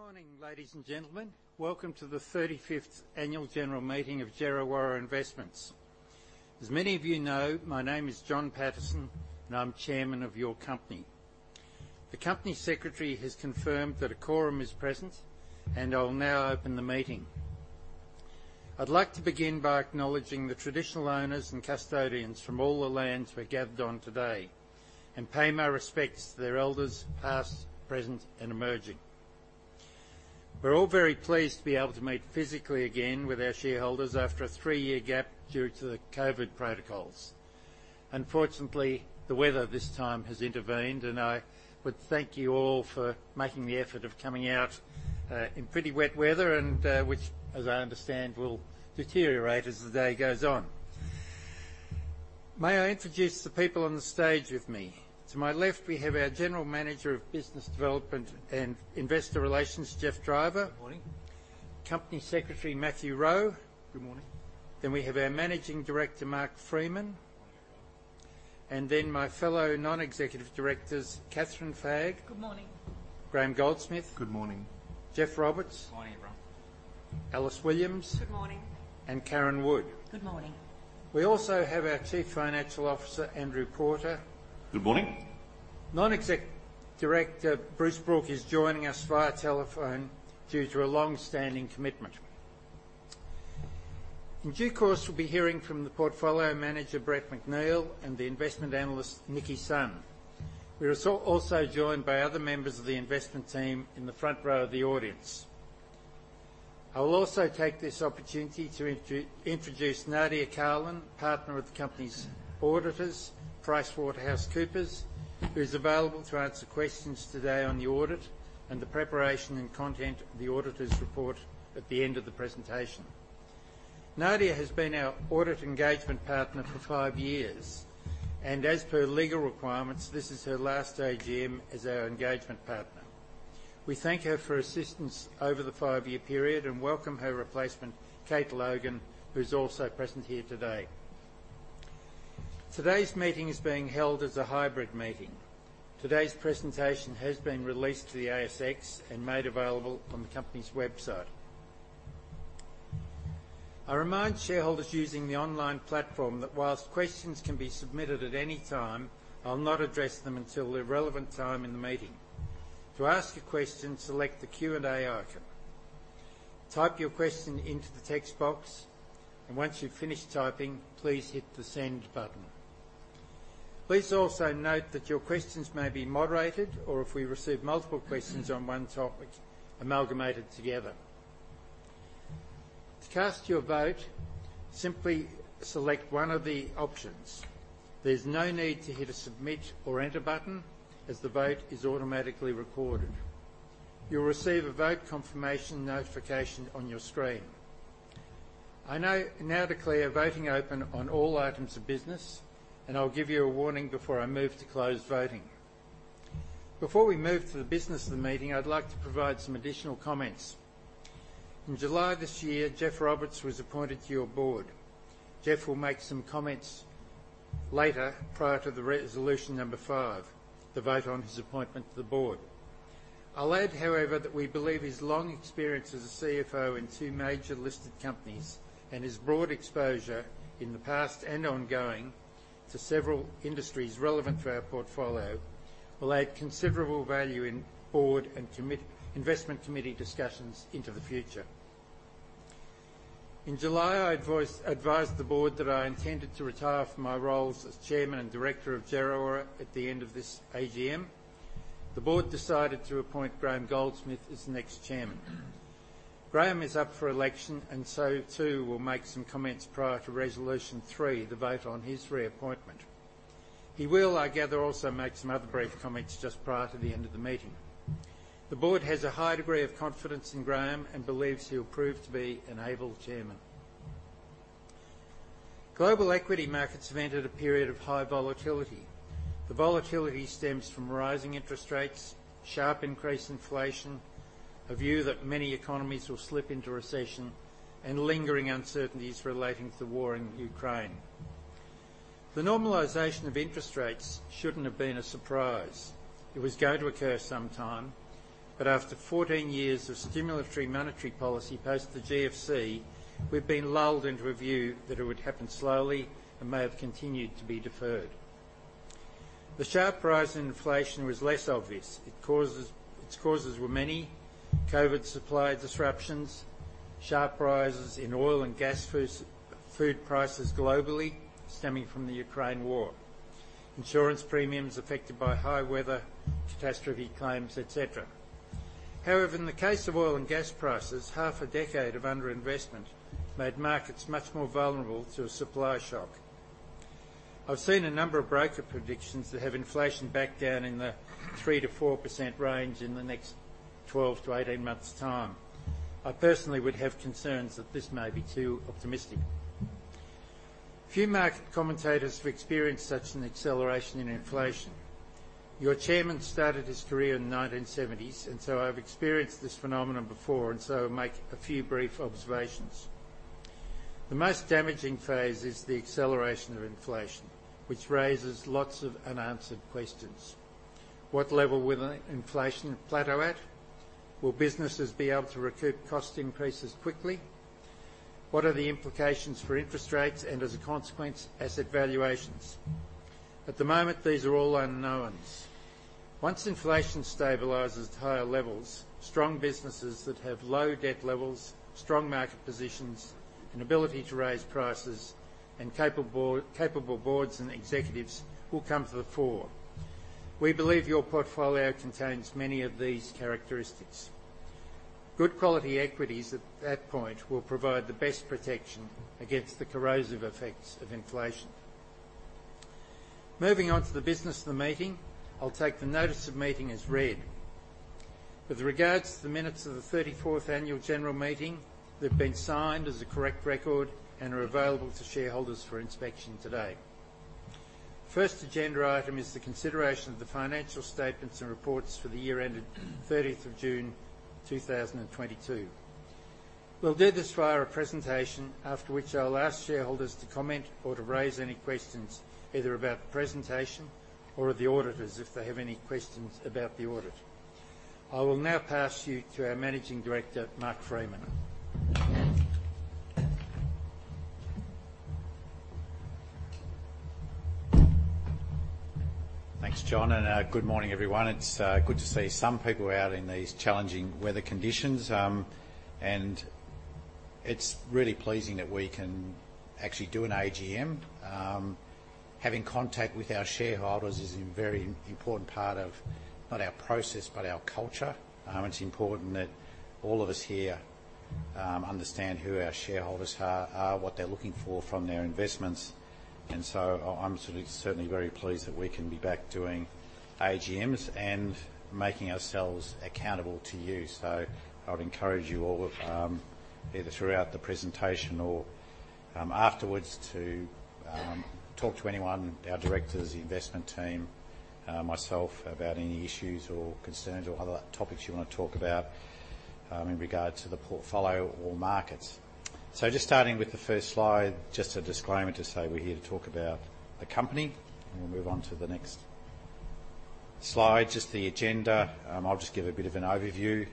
Good morning, ladies and gentlemen. Welcome to the 35th annual general meeting of Djerriwarrh Investments. As many of you know, my name is John Paterson, and I'm Chairman of your company. The company secretary has confirmed that a quorum is present, and I'll now open the meeting. I'd like to begin by acknowledging the traditional owners and custodians from all the lands we're gathered on today and pay my respects to their elders, past, present, and emerging. We're all very pleased to be able to meet physically again with our shareholders after a three-year gap due to the COVID protocols. Unfortunately, the weather this time has intervened, and I would thank you all for making the effort of coming out in pretty wet weather and which, as I understand, will deteriorate as the day goes on. May I introduce the people on the stage with me? To my left, we have our General Manager of Business Development and Investor Relations, Geoffrey Driver. Good morning. Company Secretary, Matthew Rowe. Good morning. We have our Managing Director, Mark Freeman. Good morning. My fellow non-executive directors, Kathryn Fagg. Good morning. Graham Goldsmith. Good morning. Geoffrey Roberts. Morning, everyone. Alice Williams. Good morning. Karen Wood. Good morning. We also have our Chief Financial Officer, Andrew Porter. Good morning. Non-Executive Director Bruce Brook is joining us via telephone due to a long-standing commitment. In due course, we'll be hearing from the Portfolio Manager, Brett McNeill, and the Investment Analyst, Nikki Sun. We are also joined by other members of the investment team in the front row of the audience. I will also take this opportunity to introduce Nadia Carlin, partner with the company's auditors, PricewaterhouseCoopers, who is available to answer questions today on the audit and the preparation and content of the auditor's report at the end of the presentation. Nadia has been our audit engagement partner for five years, and as per legal requirements, this is her last AGM as our engagement partner. We thank her for assistance over the five-year period and welcome her replacement, Kate Logan, who's also present here today. Today's meeting is being held as a hybrid meeting. Today's presentation has been released to the ASX and made available on the company's website. I remind shareholders using the online platform that while questions can be submitted at any time, I'll not address them until the relevant time in the meeting. To ask a question, select the Q&A icon. Type your question into the text box, and once you've finished typing, please hit the Send button. Please also note that your questions may be moderated, or if we receive multiple questions on one topic, amalgamated together. To cast your vote, simply select one of the options. There's no need to hit a Submit or Enter button, as the vote is automatically recorded. You'll receive a vote confirmation notification on your screen. I now declare voting open on all items of business, and I'll give you a warning before I move to close voting. Before we move to the business of the meeting, I'd like to provide some additional comments. In July this year, Geoffrey Roberts was appointed to your board. Jeff will make some comments later, prior to the resolution number five, the vote on his appointment to the board. I'll add, however, that we believe his long experience as a CFO in two major listed companies and his broad exposure in the past and ongoing to several industries relevant to our portfolio will add considerable value in board and investment committee discussions into the future. In July, I advised the board that I intended to retire from my roles as chairman and director of Djerriwarrh at the end of this AGM. The board decided to appoint Graham Goldsmith as the next chairman. Graham is up for election and so, too, will make some comments prior to resolution 3, the vote on his reappointment. He will, I gather, also make some other brief comments just prior to the end of the meeting. The board has a high degree of confidence in Graham and believes he will prove to be an able chairman. Global equity markets have entered a period of high volatility. The volatility stems from rising interest rates, sharp increase in inflation, a view that many economies will slip into recession, and lingering uncertainties relating to the war in Ukraine. The normalization of interest rates shouldn't have been a surprise. It was going to occur sometime, but after 14 years of stimulatory monetary policy post the GFC, we've been lulled into a view that it would happen slowly and may have continued to be deferred. The sharp rise in inflation was less obvious. Its causes were many. COVID supply disruptions, sharp rises in oil and gas fees, food prices globally stemming from the Ukraine war, insurance premiums affected by high weather, catastrophe claims, et cetera. However, in the case of oil and gas prices, half a decade of underinvestment made markets much more vulnerable to a supply shock. I've seen a number of broker predictions that have inflation back down in the 3%-4% range in the next 12-18 months' time. I personally would have concerns that this may be too optimistic. Few market commentators have experienced such an acceleration in inflation. Your chairman started his career in the 1970s, and so I've experienced this phenomenon before, and so I'll make a few brief observations. The most damaging phase is the acceleration of inflation, which raises lots of unanswered questions. What level will the inflation plateau at? Will businesses be able to recoup cost increases quickly? What are the implications for interest rates and as a consequence, asset valuations? At the moment, these are all unknowns. Once inflation stabilizes at higher levels, strong businesses that have low debt levels, strong market positions, an ability to raise prices, and capable boards and executives will come to the fore. We believe your portfolio contains many of these characteristics. Good quality equities at that point will provide the best protection against the corrosive effects of inflation. Moving on to the business of the meeting, I'll take the notice of meeting as read. With regards to the minutes of the 34th annual general meeting, they've been signed as a correct record and are available to shareholders for inspection today. First agenda item is the consideration of the financial statements and reports for the year ended of June 30th, 2022. We'll do this via a presentation after which I'll ask shareholders to comment or to raise any questions, either about the presentation or of the auditors if they have any questions about the audit. I will now pass you to our Managing Director, Mark Freeman. Thanks, John, and good morning, everyone. It's good to see some people out in these challenging weather conditions. It's really pleasing that we can actually do an AGM. Having contact with our shareholders is a very important part of not our process, but our culture. It's important that all of us here understand who our shareholders are, what they're looking for from their investments, and so I'm certainly very pleased that we can be back doing AGMs and making ourselves accountable to you. I would encourage you all, either throughout the presentation or afterwards to talk to anyone, our directors, the investment team, myself, about any issues or concerns or other topics you wanna talk about, in regard to the portfolio or markets. Just starting with the first slide, just a disclaimer to say we're here to talk about the company, and we'll move on to the next slide. Just the agenda, I'll just give a bit of an overview,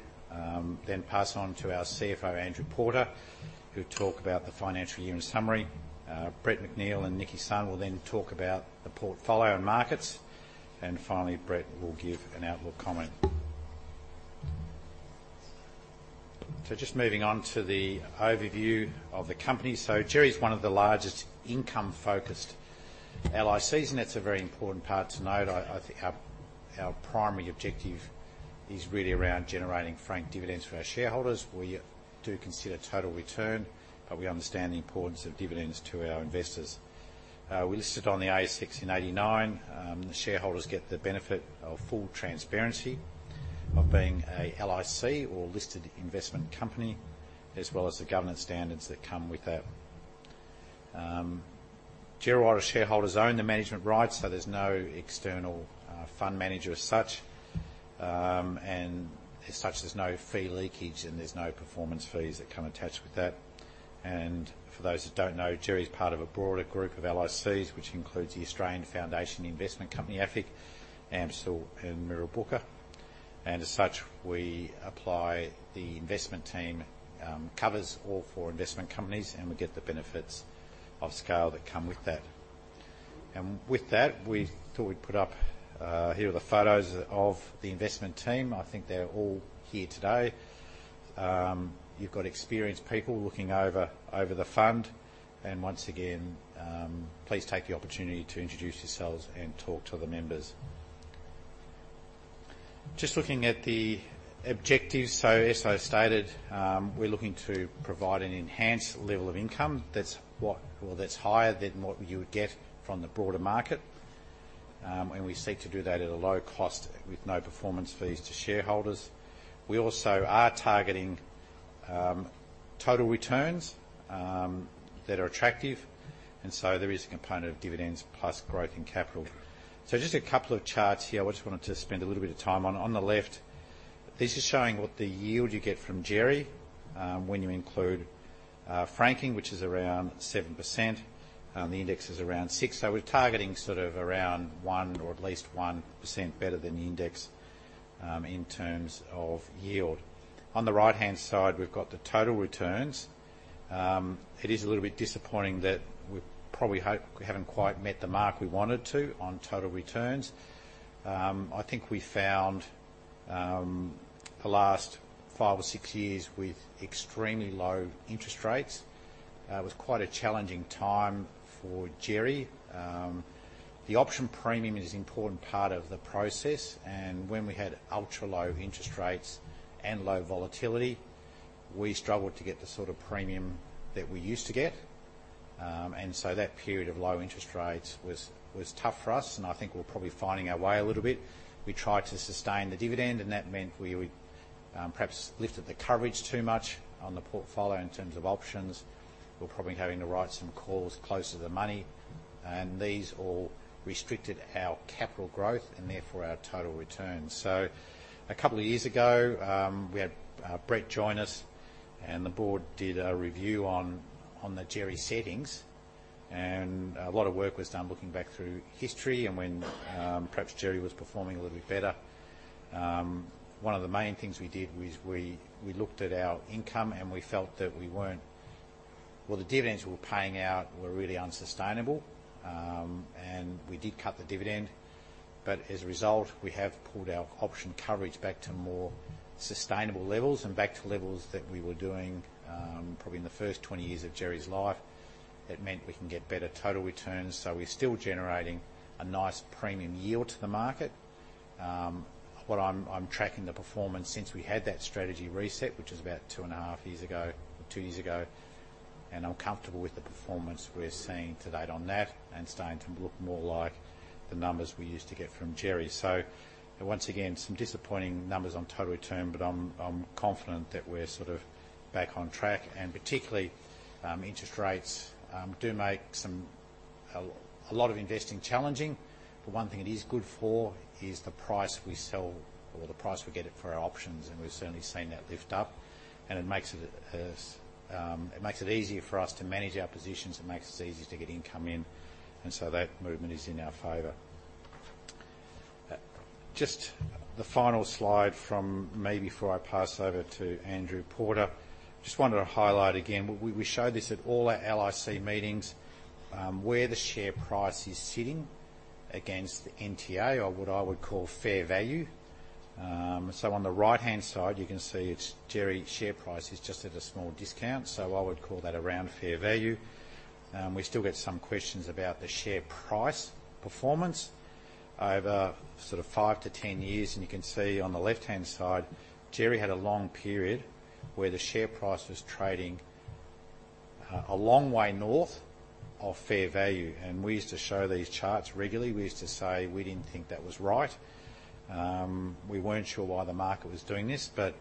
then pass on to our CFO, Andrew Porter, who'll talk about the financial year in summary. Brett McNeill and Nikki Sun will then talk about the portfolio and markets, and finally, Brett will give an outlook comment. Just moving on to the overview of the company. Djerriwarrh's one of the largest income-focused LICs, and that's a very important part to note. I think our primary objective is really around generating franking dividends for our shareholders. We do consider total return, but we understand the importance of dividends to our investors. We listed on the ASX in 1989. The shareholders get the benefit of full transparency of being a LIC, or listed investment company, as well as the governance standards that come with that. Djerriwarrh shareholders own the management rights, so there's no external fund manager as such. As such, there's no fee leakage and there's no performance fees that come attached with that. For those that don't know, Djerriwarrh's part of a broader group of LICs, which includes the Australian Foundation Investment Company, AFIC, AMCIL and Mirrabooka. As such, the investment team covers all four investment companies, and we get the benefits of scale that come with that. With that, we thought we'd put up here are the photos of the investment team. I think they're all here today. You've got experienced people looking over the fund. Once again, please take the opportunity to introduce yourselves and talk to the members. Just looking at the objectives. As I stated, we're looking to provide an enhanced level of income that's higher than what you would get from the broader market. We seek to do that at a low cost with no performance fees to shareholders. We also are targeting total returns that are attractive, and there is a component of dividends plus growth and capital. Just a couple of charts here which I wanted to spend a little bit of time on. On the left, this is showing what the yield you get from Djerriwarrh when you include franking, which is around 7%. The index is around 6%. We're targeting sort of around 1, or at least 1% better than the index, in terms of yield. On the right-hand side, we've got the total returns. It is a little bit disappointing that we probably haven't quite met the mark we wanted to on total returns. I think we found the last five or six years with extremely low interest rates was quite a challenging time for Djerriwarrh. The option premium is an important part of the process, and when we had ultra-low interest rates and low volatility, we struggled to get the sort of premium that we used to get. That period of low interest rates was tough for us, and I think we're probably finding our way a little bit. We tried to sustain the dividend, and that meant we perhaps lifted the coverage too much on the portfolio in terms of options. We're probably having to write some calls closer to the money. These all restricted our capital growth and therefore our total returns. A couple of years ago, we had Brett join us, and the board did a review on the Djerriwarrh settings, and a lot of work was done looking back through history and when perhaps Djerriwarrh was performing a little bit better. One of the main things we did was we looked at our income, and we felt that we weren't. Well, the dividends we were paying out were really unsustainable. We did cut the dividend, but as a result, we have pulled our option coverage back to more sustainable levels and back to levels that we were doing, probably in the first 20 years of Djerriwarrh's life. It meant we can get better total returns, so we're still generating a nice premium yield to the market. What I'm tracking the performance since we had that strategy reset, which is about 2.5 years ago or two years ago, and I'm comfortable with the performance we're seeing to date on that and starting to look more like the numbers we used to get from Djerriwarrh. Once again, some disappointing numbers on total return, but I'm confident that we're sort of back on track. Particularly, interest rates do make a lot of investing challenging. One thing it is good for is the price we sell or the price we get it for our options, and we've certainly seen that lift up. It makes it easier for us to manage our positions and makes it easier to get income in. That movement is in our favor. Just the final slide from me before I pass over to Andrew Porter. Just wanted to highlight again, we show this at all our LIC meetings, where the share price is sitting against the NTA or what I would call fair value. So on the right-hand side, you can see it's Djerriwarrh's share price is just at a small discount. I would call that around fair value. We still get some questions about the share price performance over sort of five-10 years. You can see on the left-hand side, Djerriwarrh had a long period where the share price was trading a long way north of fair value. We used to show these charts regularly. We used to say we didn't think that was right. We weren't sure why the market was doing this, but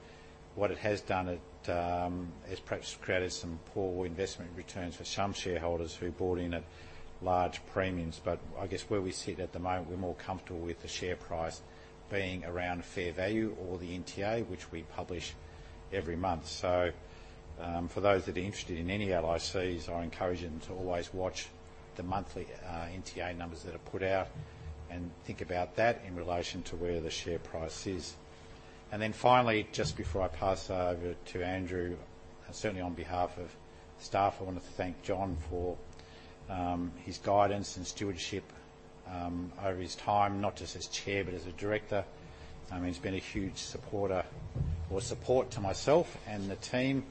what it has done it has perhaps created some poor investment returns for some shareholders who bought in at large premiums. I guess where we sit at the moment, we're more comfortable with the share price being around fair value or the NTA, which we publish every month. For those that are interested in any LICs, I encourage them to always watch the monthly NTA numbers that are put out and think about that in relation to where the share price is. Finally, just before I pass over to Andrew, certainly on behalf of staff, I want to thank John for his guidance and stewardship over his time, not just as Chair, but as a Director. I mean, he's been a huge supporter or support to myself and the team.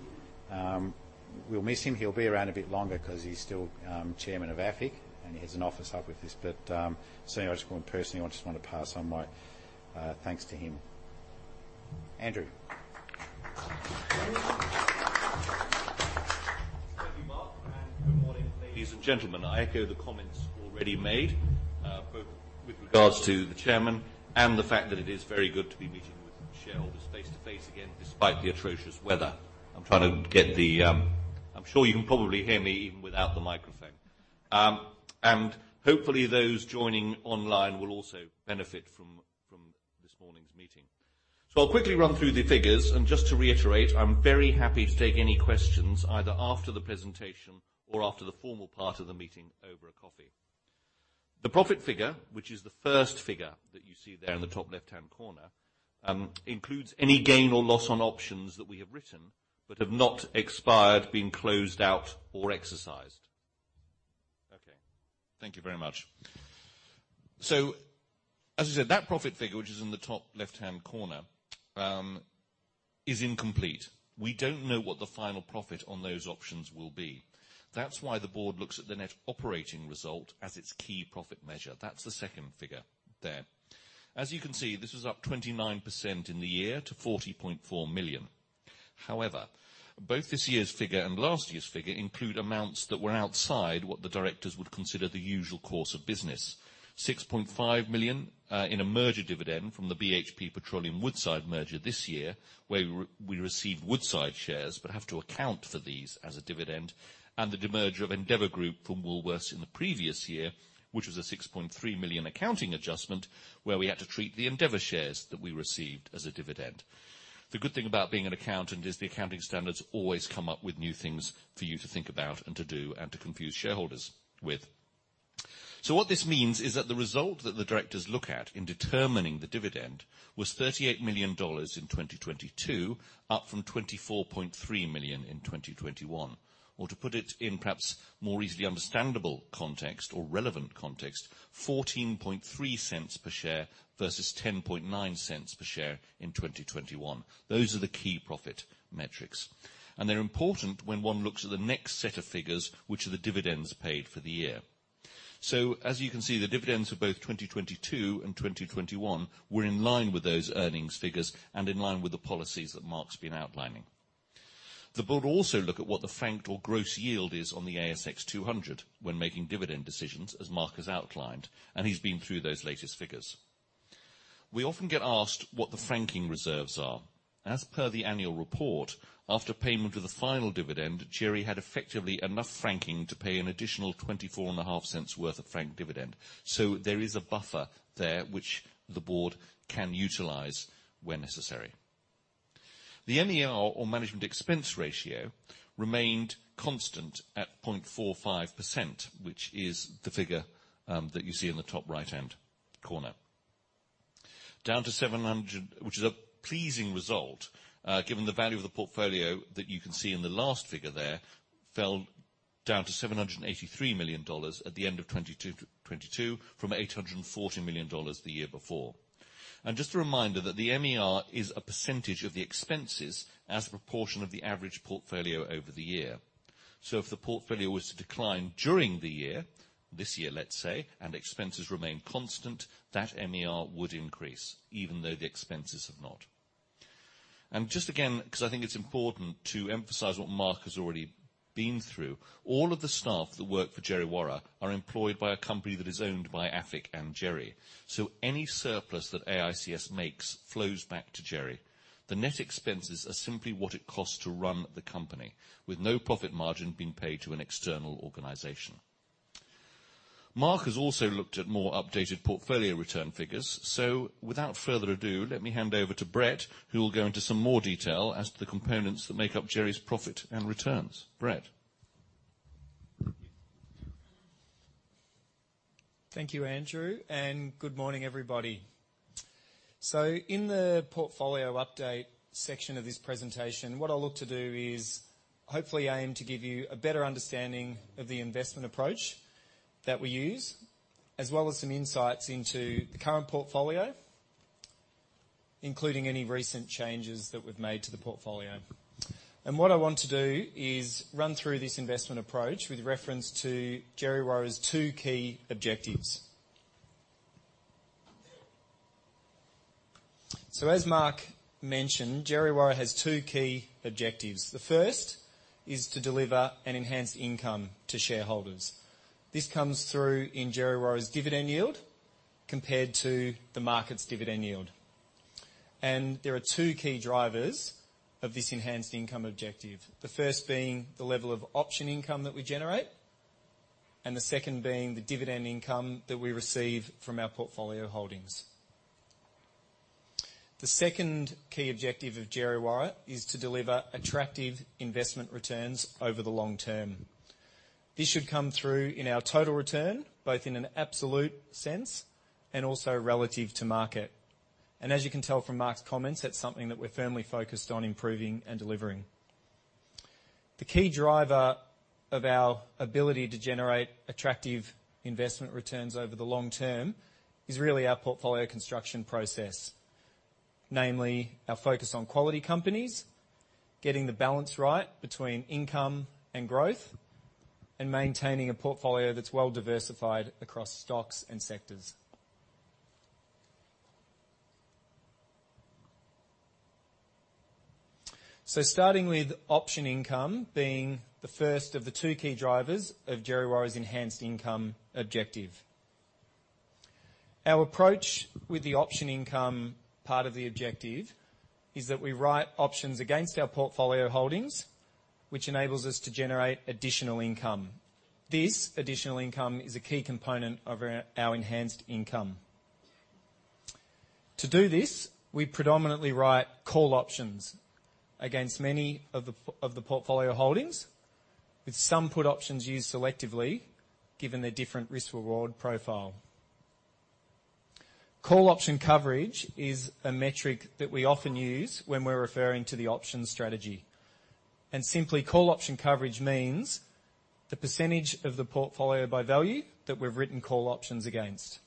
We'll miss him. He'll be around a bit longer because he's still Chairman of AFIC, and he has an office up with this. Personally, I just want to pass on my thanks to him. Andrew. Thank you, Mark, and good morning, ladies and gentlemen. I echo the comments already made both with regards to the Chairman and the fact that it is very good to be meeting with shareholders face-to-face again, despite the atrocious weather. I'm sure you can probably hear me even without the microphone. And hopefully, those joining online will also benefit from this morning's meeting. I'll quickly run through the figures. Just to reiterate, I'm very happy to take any questions either after the presentation or after the formal part of the meeting over a coffee. The profit figure, which is the first figure that you see there in the top left-hand corner, includes any gain or loss on options that we have written but have not expired, been closed out or exercised. Okay, thank you very much. As I said, that profit figure, which is in the top left-hand corner, is incomplete. We don't know what the final profit on those options will be. That's why the board looks at the net operating result as its key profit measure. That's the second figure there. As you can see, this is up 29% in the year to 40.4 million. However, both this year's figure and last year's figure include amounts that were outside what the directors would consider the usual course of business. 6.5 million in a merger dividend from the BHP Petroleum Woodside merger this year, where we received Woodside shares but have to account for these as a dividend, and the demerger of Endeavour Group from Woolworths in the previous year, which was a 6.3 million accounting adjustment, where we had to treat the Endeavour shares that we received as a dividend. The good thing about being an accountant is the accounting standards always come up with new things for you to think about and to do and to confuse shareholders with. What this means is that the result that the directors look at in determining the dividend was AUD 38 million in 2022, up from AUD 24.3 million in 2021. To put it in perhaps more easily understandable context or relevant context, 0.143 per share versus 0.109 per share in 2021. Those are the key profit metrics. They're important when one looks at the next set of figures, which are the dividends paid for the year. As you can see, the dividends for both 2022 and 2021 were in line with those earnings figures and in line with the policies that Mark's been outlining. The board will also look at what the franked or gross yield is on the ASX 200 when making dividend decisions, as Mark has outlined, and he's been through those latest figures. We often get asked what the franking reserves are. As per the annual report, after payment of the final dividend, Djerriwarrh had effectively enough franking to pay an additional twenty-four and a half cents worth of franked dividend. There is a buffer there which the board can utilize when necessary. The MER or management expense ratio remained constant at 0.45%, which is the figure that you see in the top right-hand corner. Which is a pleasing result, given the value of the portfolio that you can see in the last figure there, fell down to 783 million dollars at the end of 2022 from 840 million dollars the year before. Just a reminder that the MER is a percentage of the expenses as a proportion of the average portfolio over the year. If the portfolio was to decline during the year, this year, let's say, and expenses remain constant, that MER would increase even though the expenses have not. Just again, because I think it's important to emphasize what Mark has already been through, all of the staff that work for Djerriwarrh are employed by a company that is owned by AFIC and Djerriwarrh. Any surplus that AICS makes flows back to Djerriwarrh. The net expenses are simply what it costs to run the company with no profit margin being paid to an external organization. Mark has also looked at more updated portfolio return figures. Without further ado, let me hand over to Brett, who will go into some more detail as to the components that make up Djerriwarrh's profit and returns. Brett? Thank you, Andrew, and good morning, everybody. In the portfolio update section of this presentation, what I look to do is hopefully aim to give you a better understanding of the investment approach that we use, as well as some insights into the current portfolio, including any recent changes that we've made to the portfolio. What I want to do is run through this investment approach with reference to Djerriwarrh's two key objectives. As Mark mentioned, Djerriwarrh has two key objectives. The first is to deliver an enhanced income to shareholders. This comes through in Djerriwarrh's dividend yield compared to the market's dividend yield. There are two key drivers of this enhanced income objective. The first being the level of option income that we generate, and the second being the dividend income that we receive from our portfolio holdings. The second key objective of Djerriwarrh is to deliver attractive investment returns over the long term. This should come through in our total return, both in an absolute sense and also relative to market. As you can tell from Mark's comments, that's something that we're firmly focused on improving and delivering. The key driver of our ability to generate attractive investment returns over the long term is really our portfolio construction process, namely our focus on quality companies, getting the balance right between income and growth, and maintaining a portfolio that's well diversified across stocks and sectors. Starting with option income being the first of the two key drivers of Djerriwarrh's enhanced income objective. Our approach with the option income part of the objective is that we write options against our portfolio holdings, which enables us to generate additional income. This additional income is a key component of our enhanced income. To do this, we predominantly write call options against many of the portfolio holdings, with some put options used selectively given their different risk reward profile. Call option coverage is a metric that we often use when we're referring to the option strategy, and simply call option coverage means the percentage of the portfolio by value that we've written call options against.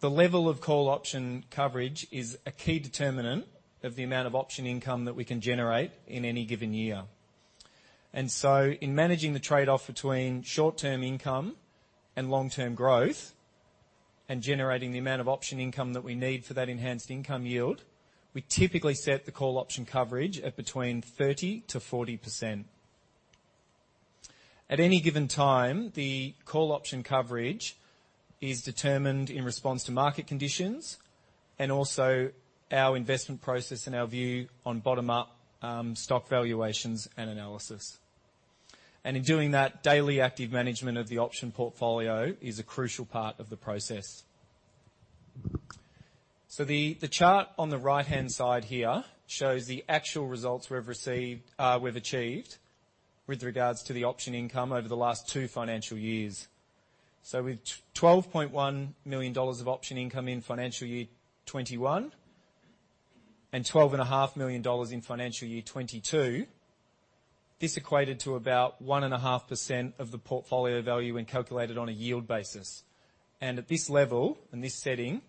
The level of call option coverage is a key determinant of the amount of option income that we can generate in any given year. In managing the trade-off between short-term income and long-term growth, and generating the amount of option income that we need for that enhanced income yield, we typically set the call option coverage at between 30%-40%. At any given time, the call option coverage is determined in response to market conditions and also our investment process and our view on bottom up stock valuations and analysis. In doing that, daily active management of the option portfolio is a crucial part of the process. The chart on the right-hand side here shows the actual results we've received, we've achieved with regards to the option income over the last two financial years. With 12.1 million dollars of option income in financial year 2021 and 12.5 million dollars in financial year 2022, this equated to about 1.5% of the portfolio value when calculated on a yield basis. At this level, in this setting,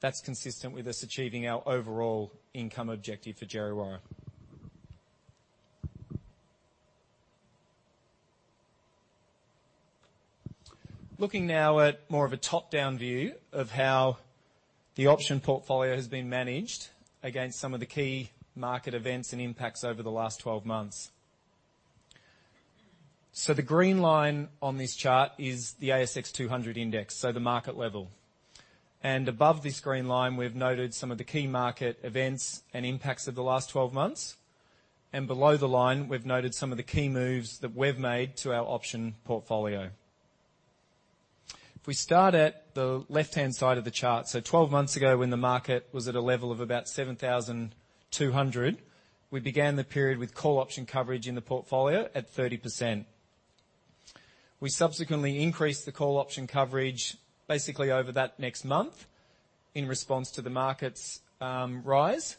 that's consistent with us achieving our overall income objective for Djerriwarrh. Looking now at more of a top-down view of how the option portfolio has been managed against some of the key market events and impacts over the last 12 months. The green line on this chart is the ASX 200 index, so the market level. Above this green line, we've noted some of the key market events and impacts of the last 12 Months. Below the line, we've noted some of the key moves that we've made to our option portfolio. If we start at the left-hand side of the chart, so 12 months ago when the market was at a level of about 7,200, we began the period with call option coverage in the portfolio at 30%. We subsequently increased the call option coverage basically over that next month in response to the market's rise,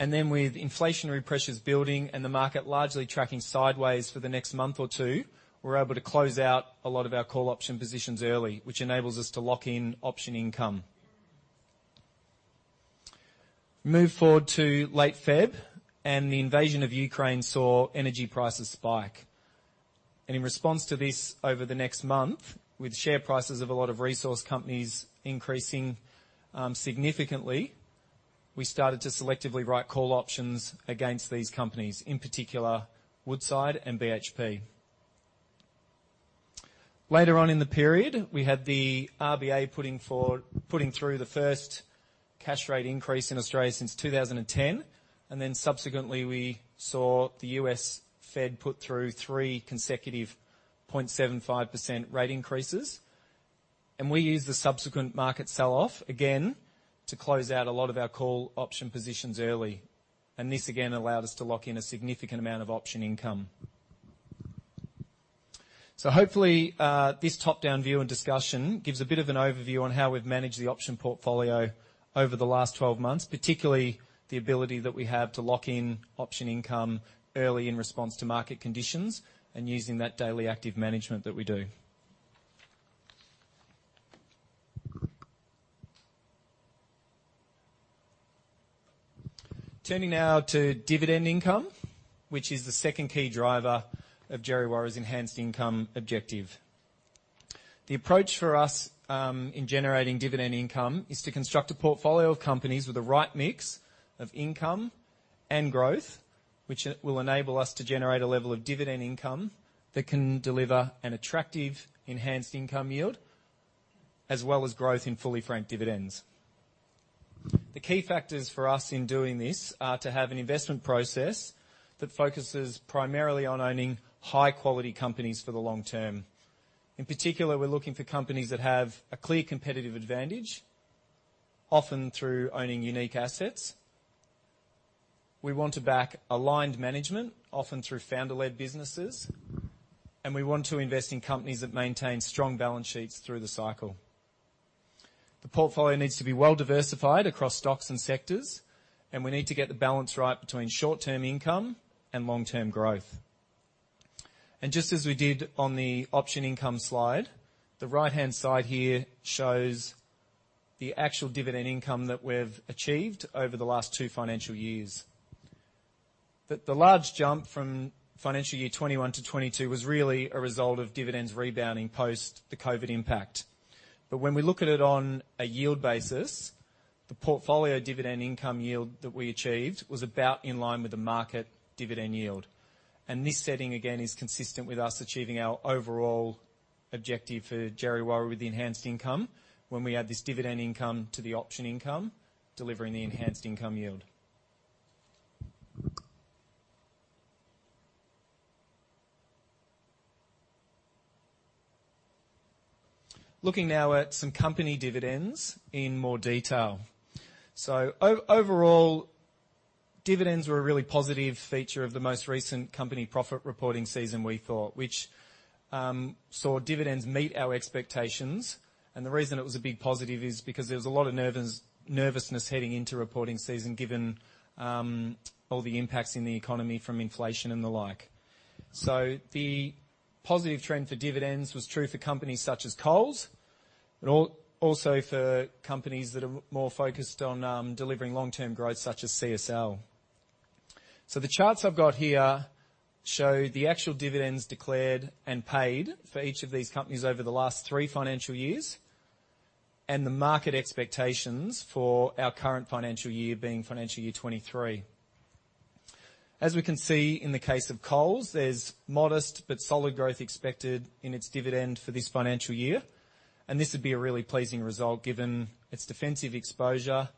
and then with inflationary pressures building and the market largely tracking sideways for the next month or two, we're able to close out a lot of our call option positions early, which enables us to lock in option income. Move forward to late February, and the invasion of Ukraine saw energy prices spike. In response to this over the next month, with share prices of a lot of resource companies increasing significantly, we started to selectively write call options against these companies, in particular, Woodside and BHP. Later on in the period, we had the RBA putting through the first cash rate increase in Australia since 2010, and then subsequently we saw the U.S. Fed put through three consecutive 0.75% rate increases. We used the subsequent market sell-off again to close out a lot of our call option positions early. This again allowed us to lock in a significant amount of option income. Hopefully, this top-down view and discussion gives a bit of an overview on how we've managed the option portfolio over the last 12 months, particularly the ability that we have to lock in option income early in response to market conditions and using that daily active management that we do. Turning now to dividend income, which is the second key driver of Djerriwarrh's enhanced income objective. The approach for us, in generating dividend income is to construct a portfolio of companies with the right mix of income and growth, which will enable us to generate a level of dividend income that can deliver an attractive enhanced income yield, as well as growth in fully franked dividends. The key factors for us in doing this are to have an investment process that focuses primarily on owning high-quality companies for the long term. In particular, we're looking for companies that have a clear competitive advantage, often through owning unique assets. We want to back aligned management, often through founder-led businesses. We want to invest in companies that maintain strong balance sheets through the cycle. The portfolio needs to be well-diversified across stocks and sectors, and we need to get the balance right between short-term income and long-term growth. Just as we did on the option income slide, the right-hand side here shows the actual dividend income that we've achieved over the last two financial years. The large jump from financial year 2021-2022 was really a result of dividends rebounding post the COVID impact. When we look at it on a yield basis, the portfolio dividend income yield that we achieved was about in line with the market dividend yield. This setting again is consistent with us achieving our overall objective for Djerriwarrh with the enhanced income when we add this dividend income to the option income, delivering the enhanced income yield. Looking now at some company dividends in more detail. Overall, dividends were a really positive feature of the most recent company profit reporting season we thought, which saw dividends meet our expectations. The reason it was a big positive is because there was a lot of nervous, nervousness heading into reporting season given all the impacts in the economy from inflation and the like. The positive trend for dividends was true for companies such as Coles and also for companies that are more focused on delivering long-term growth such as CSL. The charts I've got here show the actual dividends declared and paid for each of these companies over the last three financial years and the market expectations for our current financial year being financial year 2023. As we can see in the case of Coles, there's modest but solid growth expected in its dividend for this financial year. This would be a really pleasing result given its defensive exposure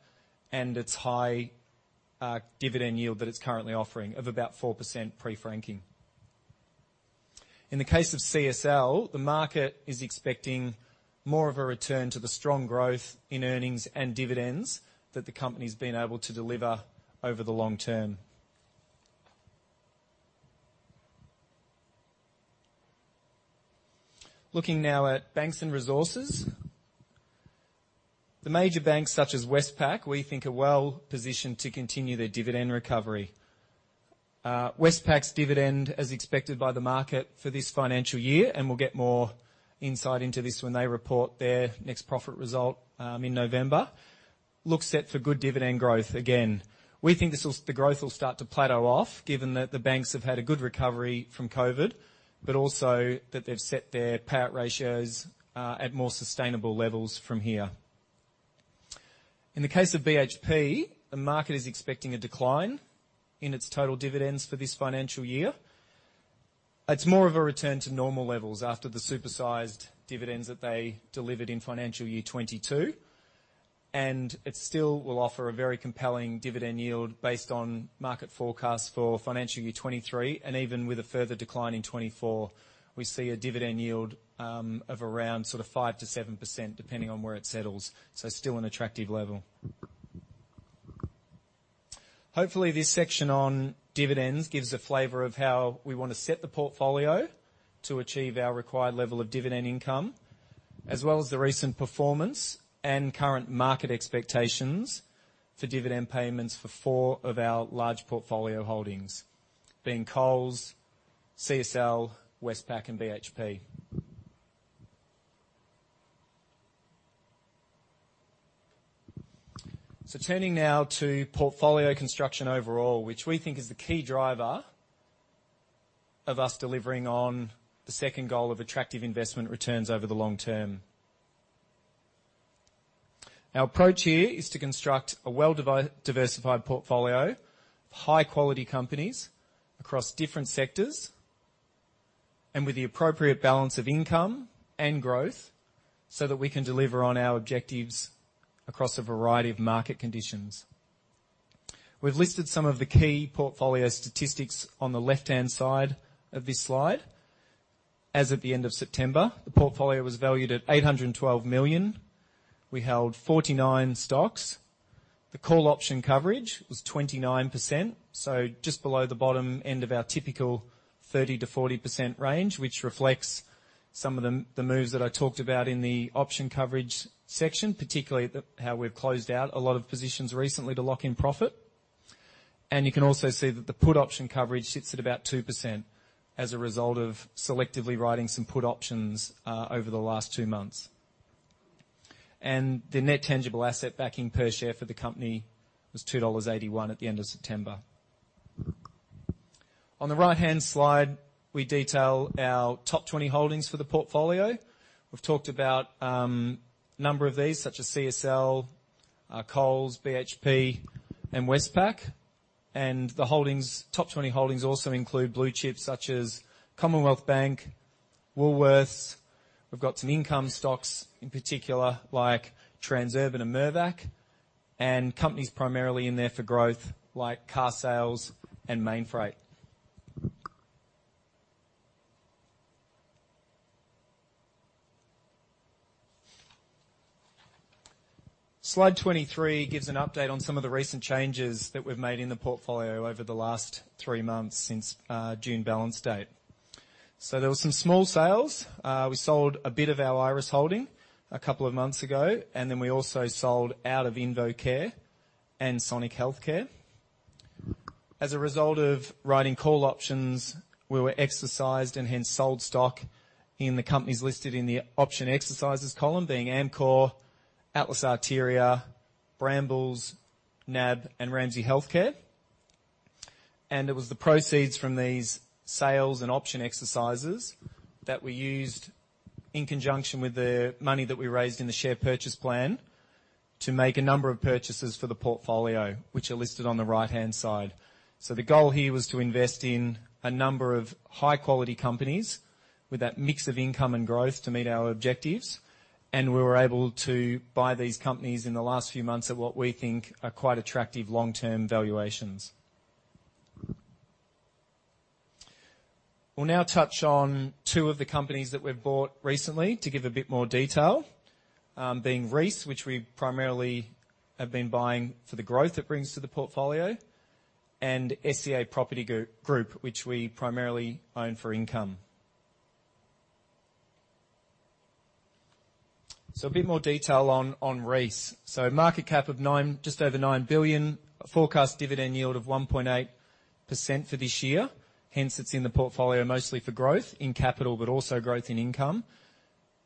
and its high dividend yield that it's currently offering of about 4% pre-franking. In the case of CSL, the market is expecting more of a return to the strong growth in earnings and dividends that the company's been able to deliver over the long term. Looking now at banks and resources. The major banks such as Westpac, we think are well-positioned to continue their dividend recovery. Westpac's dividend, as expected by the market for this financial year, and we'll get more insight into this when they report their next profit result, in November, looks set for good dividend growth again. We think the growth will start to plateau off given that the banks have had a good recovery from COVID, but also that they've set their payout ratios at more sustainable levels from here. In the case of BHP, the market is expecting a decline in its total dividends for this financial year. It's more of a return to normal levels after the supersized dividends that they delivered in financial year 2022, and it still will offer a very compelling dividend yield based on market forecasts for financial year 2023. Even with a further decline in 2024, we see a dividend yield of around sort of 5%-7% depending on where it settles. Still an attractive level. Hopefully, this section on dividends gives a flavor of how we want to set the portfolio to achieve our required level of dividend income, as well as the recent performance and current market expectations for dividend payments for four of our large portfolio holdings, being Coles, CSL, Westpac and BHP. Turning now to portfolio construction overall, which we think is the key driver of us delivering on the second goal of attractive investment returns over the long term. Our approach here is to construct a well diversified portfolio of high quality companies across different sectors and with the appropriate balance of income and growth, so that we can deliver on our objectives across a variety of market conditions. We've listed some of the key portfolio statistics on the left-hand side of this slide. As of the end of September, the portfolio was valued at 812 million. We held 49 stocks. The call option coverage was 29%, so just below the bottom end of our typical 30%-40% range, which reflects some of the moves that I talked about in the option coverage section, particularly how we've closed out a lot of positions recently to lock in profit. You can also see that the put option coverage sits at about 2% as a result of selectively writing some put options over the last two months. The net tangible asset backing per share for the company was 2.81 dollars at the end of September. On the right-hand slide, we detail our top 20 holdings for the portfolio. We've talked about a number of these, such as CSL, Coles, BHP and Westpac. The holdings, top 20 holdings also include blue chips such as Commonwealth Bank, Woolworths. We've got some income stocks in particular, like Transurban and Mirvac, and companies primarily in there for growth like Carsales and Mainfreight. Slide 23 gives an update on some of the recent changes that we've made in the portfolio over the last three months since June balance date. There was some small sales. We sold a bit of our Iress holding a couple of months ago, and then we also sold out of InvoCare and Sonic Healthcare. As a result of writing call options, we were exercised and hence sold stock in the companies listed in the option exercises column being Amcor, Atlas Arteria, Brambles, NAB and Ramsay Health Care. It was the proceeds from these sales and option exercises that we used in conjunction with the money that we raised in the share purchase plan to make a number of purchases for the portfolio, which are listed on the right-hand side. The goal here was to invest in a number of high quality companies with that mix of income and growth to meet our objectives. We were able to buy these companies in the last few months at what we think are quite attractive long-term valuations. We'll now touch on two of the companies that we've bought recently to give a bit more detail, being Reece, which we primarily have been buying for the growth it brings to the portfolio, and SCA Property Group, which we primarily own for income. A bit more detail on Reece. Market cap of just over 9 billion. Forecast dividend yield of 1.8% for this year. Hence it's in the portfolio mostly for growth in capital, but also growth in income.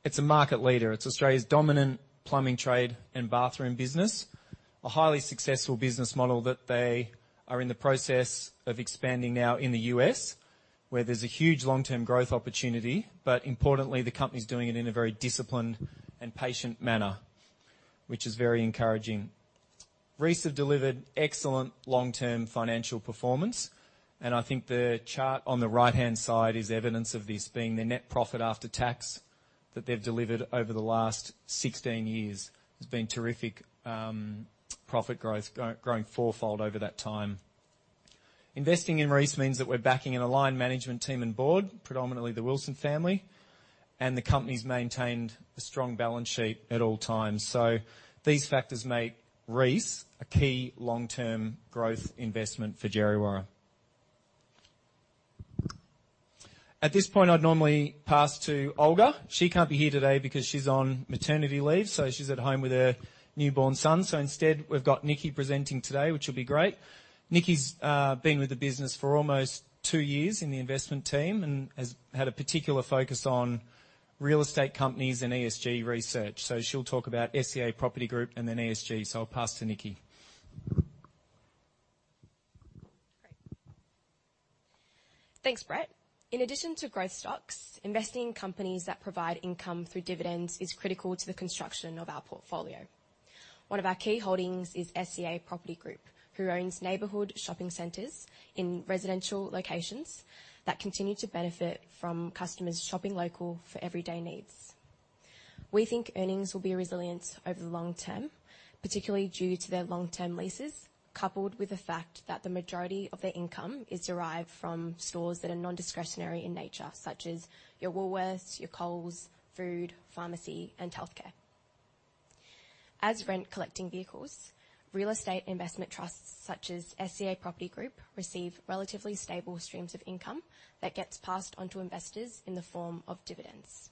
It's a market leader. It's Australia's dominant plumbing trade and bathroom business. A highly successful business model that they are in the process of expanding now in the U.S., where there's a huge long-term growth opportunity. But importantly, the company is doing it in a very disciplined and patient manner, which is very encouraging. Reece has delivered excellent long-term financial performance, and I think the chart on the right-hand side is evidence of this being their net profit after tax that they've delivered over the last 16 years has been terrific, profit growth growing fourfold over that time. Investing in Reece means that we're backing an aligned management team and board, predominantly the Wilson family, and the company's maintained a strong balance sheet at all times. These factors make Reece a key long-term growth investment for Djerriwarrh. At this point, I'd normally pass to Olga. She can't be here today because she's on maternity leave, so she's at home with her newborn son. Instead, we've got Nikki presenting today, which will be great. Nikki's been with the business for almost two years in the investment team and has had a particular focus on real estate companies and ESG research. She'll talk about SCA Property Group and then ESG. I'll pass to Nikki. Thanks, Brett. In addition to growth stocks, investing in companies that provide income through dividends is critical to the construction of our portfolio. One of our key holdings is SCA Property Group, who owns neighborhood shopping centers in residential locations that continue to benefit from customers shopping local for everyday needs. We think earnings will be resilient over the long term, particularly due to their long-term leases, coupled with the fact that the majority of their income is derived from stores that are non-discretionary in nature, such as your Woolworths, your Coles, food, pharmacy and healthcare. As rent collecting vehicles, real estate investment trusts such as SCA Property Group receive relatively stable streams of income that gets passed on to investors in the form of dividends.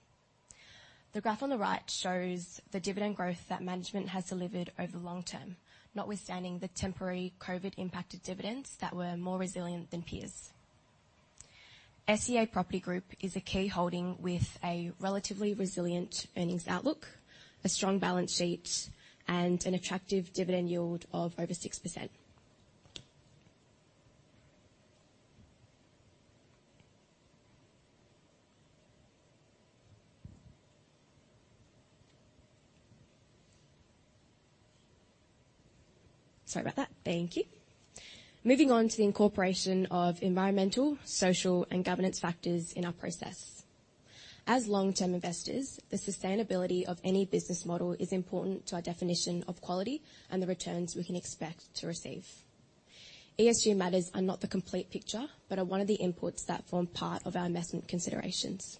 The graph on the right shows the dividend growth that management has delivered over long term, notwithstanding the temporary COVID impacted dividends that were more resilient than peers. SCA Property Group is a key holding with a relatively resilient earnings outlook, a strong balance sheet, and an attractive dividend yield of over 6%. Sorry about that. Thank you. Moving on to the incorporation of environmental, social, and governance factors in our process. As long-term investors, the sustainability of any business model is important to our definition of quality and the returns we can expect to receive. ESG matters are not the complete picture, but are one of the inputs that form part of our investment considerations.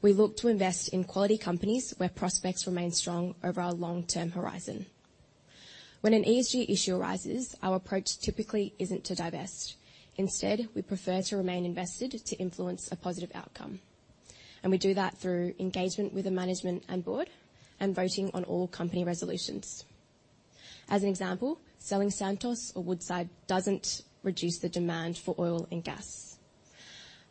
We look to invest in quality companies where prospects remain strong over our long-term horizon. When an ESG issue arises, our approach typically isn't to divest. Instead, we prefer to remain invested to influence a positive outcome, and we do that through engagement with the management and board and voting on all company resolutions. As an example, selling Santos or Woodside doesn't reduce the demand for oil and gas.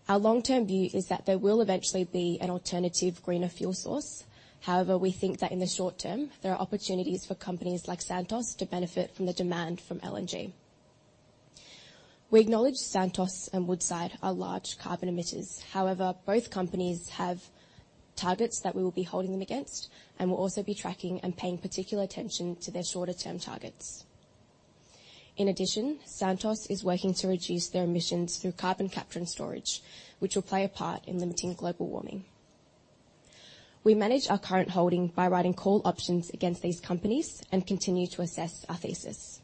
Our long-term view is that there will eventually be an alternative greener fuel source. However, we think that in the short term, there are opportunities for companies like Santos to benefit from the demand from LNG. We acknowledge Santos and Woodside are large carbon emitters. However, both companies have targets that we will be holding them against and will also be tracking and paying particular attention to their shorter term targets. In addition, Santos is working to reduce their emissions through carbon capture and storage, which will play a part in limiting global warming. We manage our current holding by writing call options against these companies and continue to assess our thesis.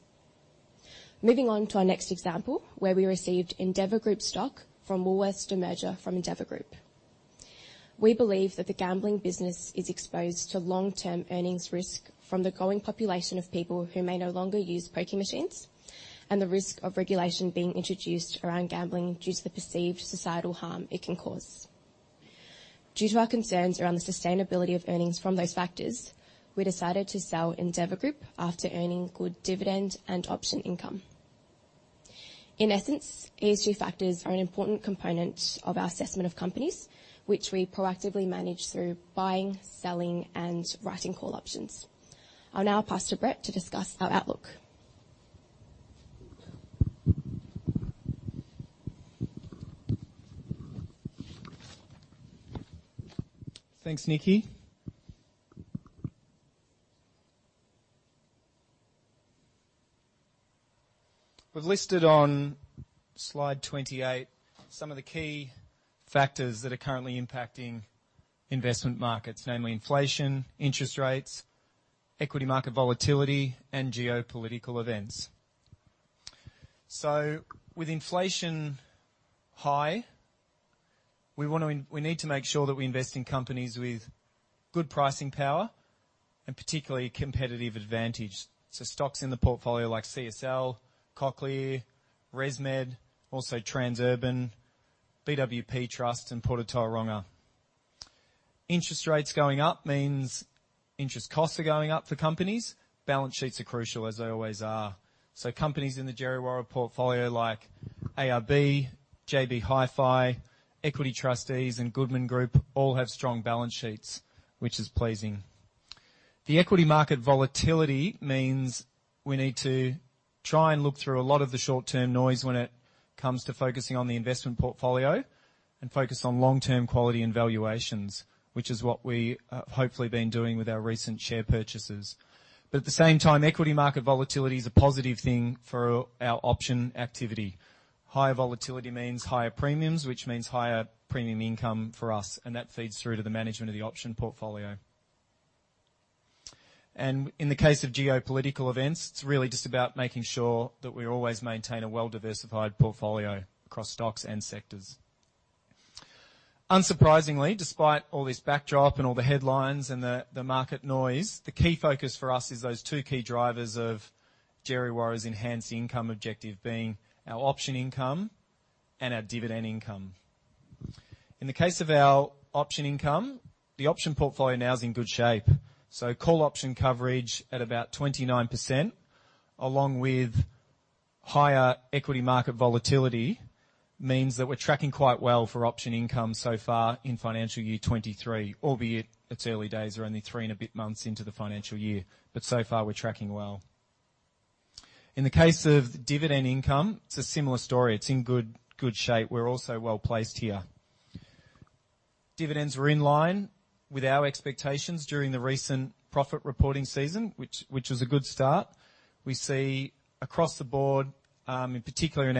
Moving on to our next example, where we received Endeavour Group stock from Woolworths demerger of Endeavour Group. We believe that the gambling business is exposed to long-term earnings risk from the growing population of people who may no longer use pokie machines, and the risk of regulation being introduced around gambling due to the perceived societal harm it can cause. Due to our concerns around the sustainability of earnings from those factors, we decided to sell Endeavour Group after earning good dividend and option income. In essence, ESG factors are an important component of our assessment of companies, which we proactively manage through buying, selling and writing call options. I'll now pass to Brett to discuss our outlook. Thanks, Nikki. We've listed on slide 28 some of the key factors that are currently impacting investment markets, namely inflation, interest rates, equity market volatility and geopolitical events. With inflation high, we need to make sure that we invest in companies with good pricing power and particularly competitive advantage. Stocks in the portfolio like CSL, Cochlear, ResMed, also Transurban, BWP Trust and Port of Tauranga. Interest rates going up means interest costs are going up for companies. Balance sheets are crucial, as they always are. Companies in the Djerriwarrh portfolio like ARB, JB Hi-Fi, Equity Trustees and Goodman Group all have strong balance sheets, which is pleasing. The equity market volatility means we need to try and look through a lot of the short-term noise when it comes to focusing on the investment portfolio and focus on long-term quality and valuations, which is what we have hopefully been doing with our recent share purchases. At the same time, equity market volatility is a positive thing for our option activity. Higher volatility means higher premiums, which means higher premium income for us, and that feeds through to the management of the option portfolio. In the case of geopolitical events, it's really just about making sure that we always maintain a well-diversified portfolio across stocks and sectors. Unsurprisingly, despite all this backdrop and all the headlines and the market noise, the key focus for us is those two key drivers of Djerriwarrh's enhanced income objective being our option income and our dividend income. In the case of our option income, the option portfolio now is in good shape. Call option coverage at about 29% along with higher equity market volatility means that we're tracking quite well for option income so far in financial year 2023, albeit it's early days. We're only three and a bit months into the financial year, but so far we're tracking well. In the case of dividend income, it's a similar story. It's in good shape. We're also well-placed here. Dividends were in line with our expectations during the recent profit reporting season, which was a good start. We see across the board, in particular in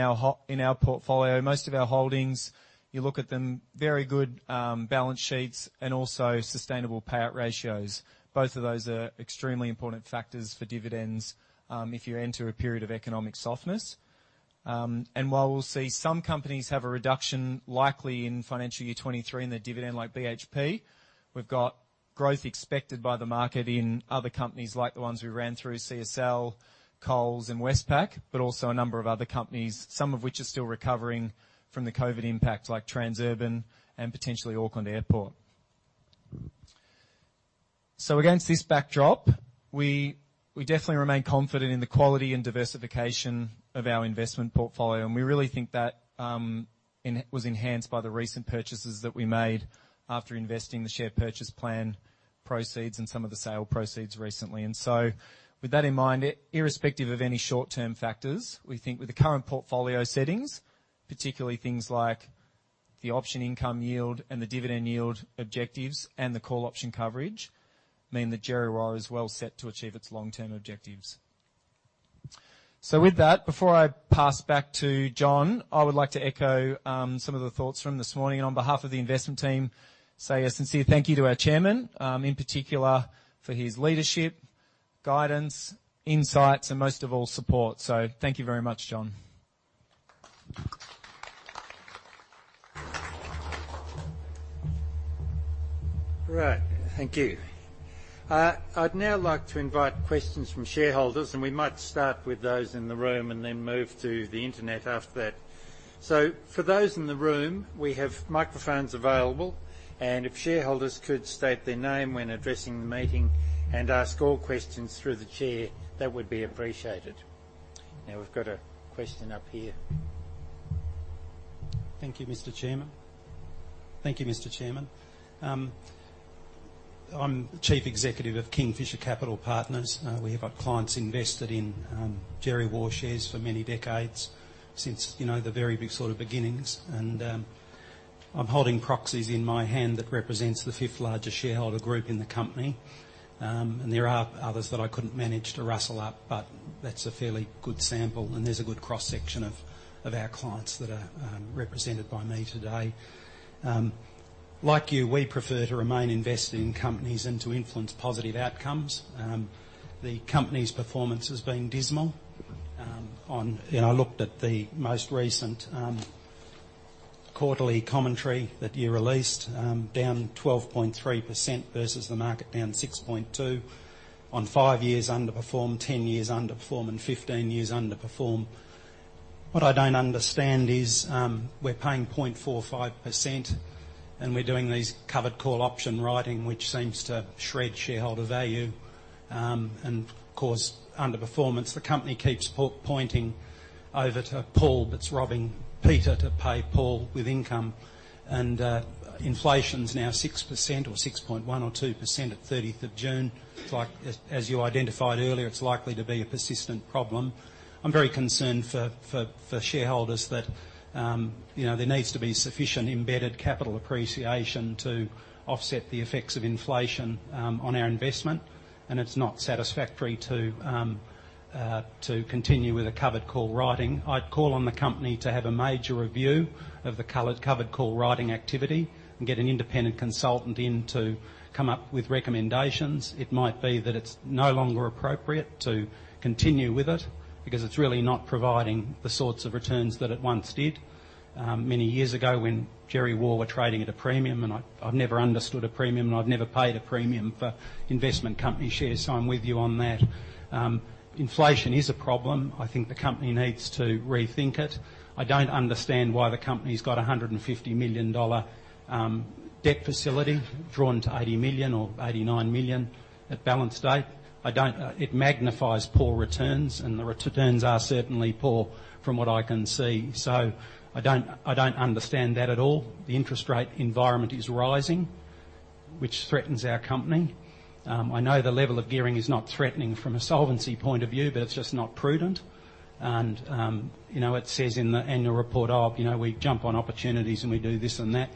our portfolio, most of our holdings, you look at them, very good balance sheets and also sustainable payout ratios. Both of those are extremely important factors for dividends, if you enter a period of economic softness. While we'll see some companies have a reduction likely in financial year 2023 in their dividend like BHP, we've got growth expected by the market in other companies like the ones we ran through CSL, Coles and Westpac, but also a number of other companies, some of which are still recovering from the COVID impact, like Transurban and potentially Auckland Airport. Against this backdrop, we definitely remain confident in the quality and diversification of our investment portfolio, and we really think that was enhanced by the recent purchases that we made after investing the share purchase plan proceeds and some of the sale proceeds recently. With that in mind, irrespective of any short-term factors, we think with the current portfolio settings, particularly things like the option income yield and the dividend yield objectives and the call option coverage, mean that Djerriwarrh is well set to achieve its long-term objectives. With that, before I pass back to John, I would like to echo some of the thoughts from this morning and on behalf of the investment team, say a sincere thank you to our chairman, in particular for his leadership, guidance, insights, and most of all, support. Thank you very much, John. Right. Thank you. I'd now like to invite questions from shareholders, and we might start with those in the room and then move to the internet after that. For those in the room, we have microphones available, and if shareholders could state their name when addressing the meeting and ask all questions through the chair, that would be appreciated. Now we've got a question up here. Thank you, Mr. Chairman. I'm the chief executive of Kingfisher Capital Partners. We have had clients invested in Djerriwarrh shares for many decades since, you know, the very big sort of beginnings. I'm holding proxies in my hand that represents the fifth-largest shareholder group in the company. There are others that I couldn't manage to rustle up, but that's a fairly good sample, and there's a good cross-section of our clients that are represented by me today. Like you, we prefer to remain invested in companies and to influence positive outcomes. The company's performance has been dismal. On You know, I looked at the most recent quarterly commentary that you released, down 12.3% versus the market down 6.2 on five years underperform, 10 years underperform, and 15 years underperform. What I don't understand is, we're paying 0.45% and we're doing these covered call option writing, which seems to shred shareholder value, and cause underperformance. The company keeps pointing over to Paul, but it's robbing Peter to pay Paul with income. Inflation's now 6% or 6.1 or 2% at of June 30th. It's like, as you identified earlier, it's likely to be a persistent problem. I'm very concerned for shareholders that you know there needs to be sufficient embedded capital appreciation to offset the effects of inflation on our investment, and it's not satisfactory to continue with the covered call writing. I'd call on the company to have a major review of the covered call writing activity and get an independent consultant in to come up with recommendations. It might be that it's no longer appropriate to continue with it because it's really not providing the sorts of returns that it once did many years ago when Djerriwarrh were trading at a premium. I've never understood a premium, and I've never paid a premium for investment company shares, so I'm with you on that. Inflation is a problem. I think the company needs to rethink it. I don't understand why the company's got a 150 million dollar debt facility drawn to 80 million or 89 million at balance date. It magnifies poor returns, and the returns are certainly poor from what I can see. I don't understand that at all. The interest rate environment is rising, which threatens our company. I know the level of gearing is not threatening from a solvency point of view, but it's just not prudent. You know, it says in the annual report, "Oh, you know, we jump on opportunities and we do this and that,"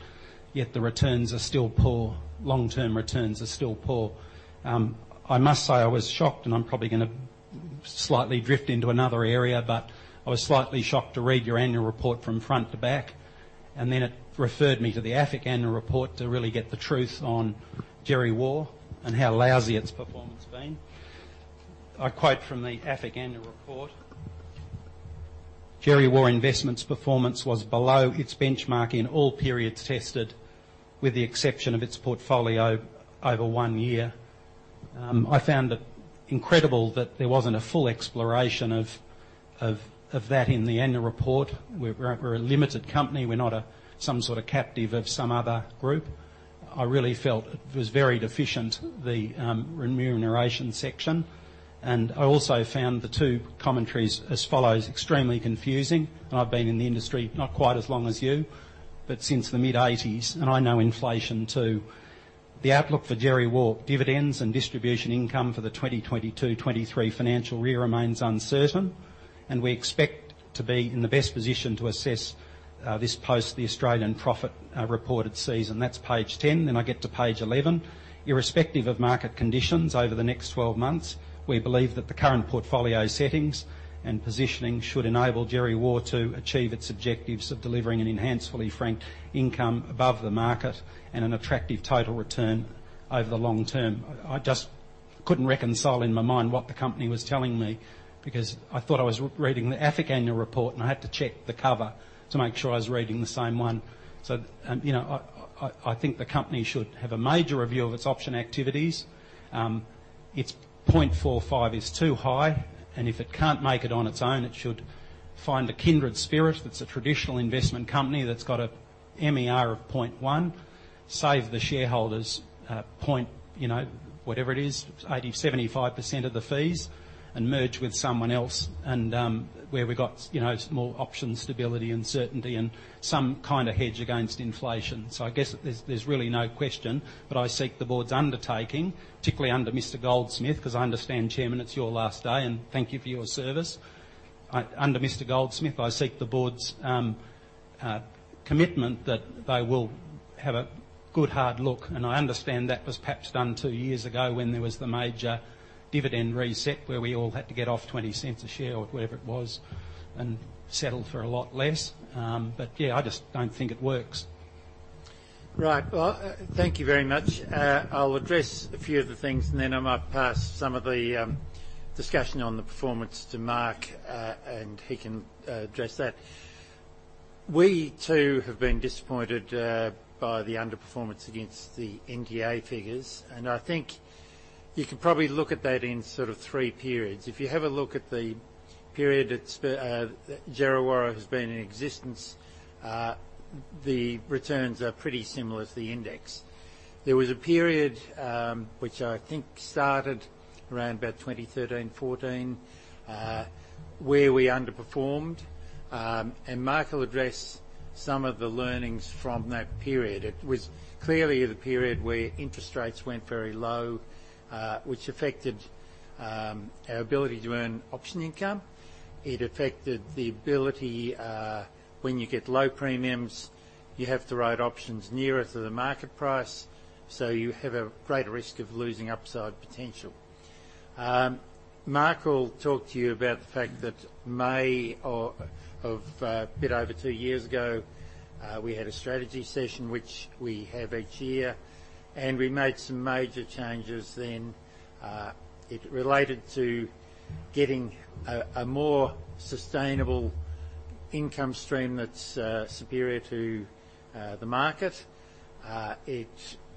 yet the returns are still poor. Long-term returns are still poor. I must say I was shocked, and I'm probably gonna slightly drift into another area, but I was slightly shocked to read your annual report from front to back, and then it referred me to the AFIC annual report to really get the truth on Djerriwarrh and how lousy its performance has been. I quote from the AFIC annual report, "Djerriwarrh Investments' performance was below its benchmark in all periods tested, with the exception of its portfolio over one year." I found it incredible that there wasn't a full exploration of that in the annual report. We're a limited company. We're not some sort of captive of some other group. I really felt it was very deficient, the remuneration section, and I also found the two commentaries as follows extremely confusing. I've been in the industry not quite as long as you, but since the mid-1980s, and I know inflation too. The outlook for Djerriwarrh dividends and distribution income for the 2022-2023 financial year remains uncertain, and we expect to be in the best position to assess this post the Australian reporting season. That's page 10. Then I get to page 11. Irrespective of market conditions over the next 12 months, we believe that the current portfolio settings and positioning should enable Djerriwarrh to achieve its objectives of delivering an enhanced fully franked income above the market and an attractive total return over the long term. I just couldn't reconcile in my mind what the company was telling me because I thought I was reading the AFIC annual report, and I had to check the cover to make sure I was reading the same one. You know, I think the company should have a major review of its option activities. Its 0.45 is too high, and if it can't make it on its own, it should find a kindred spirit that's a traditional investment company that's got a MER of 0.1, save the shareholders, point, you know, whatever it is, 80, 75% of the fees, and merge with someone else and, where we got, you know, more option stability and certainty and some kind of hedge against inflation. I guess there's really no question, but I seek the board's undertaking, particularly under Mr. Goldsmith, because I understand, Chairman, it's your last day, and thank you for your service. Under Mr. Goldsmith, I seek the board's commitment that they will have a good hard look, and I understand that was perhaps done two years ago when there was the major dividend reset where we all had to get off 0.20 a share or whatever it was and settle for a lot less. I just don't think it works. Right. Well, thank you very much. I'll address a few of the things, and then I might pass some of the discussion on the performance to Mark, and he can address that. We too have been disappointed by the underperformance against the NTA figures, and I think you can probably look at that in sort of three periods. If you have a look at the period that Djerriwarrh has been in existence, the returns are pretty similar to the index. There was a period, which I think started around about 2013, 2014, where we underperformed, and Mark will address some of the learnings from that period. It was clearly the period where interest rates went very low, which affected our ability to earn option income. It affected the ability, when you get low premiums, you have to write options nearer to the market price, so you have a greater risk of losing upside potential. Mark will talk to you about the fact that May of a bit over two years ago we had a strategy session, which we have each year, and we made some major changes then. It related to getting a more sustainable income stream that's superior to the market. It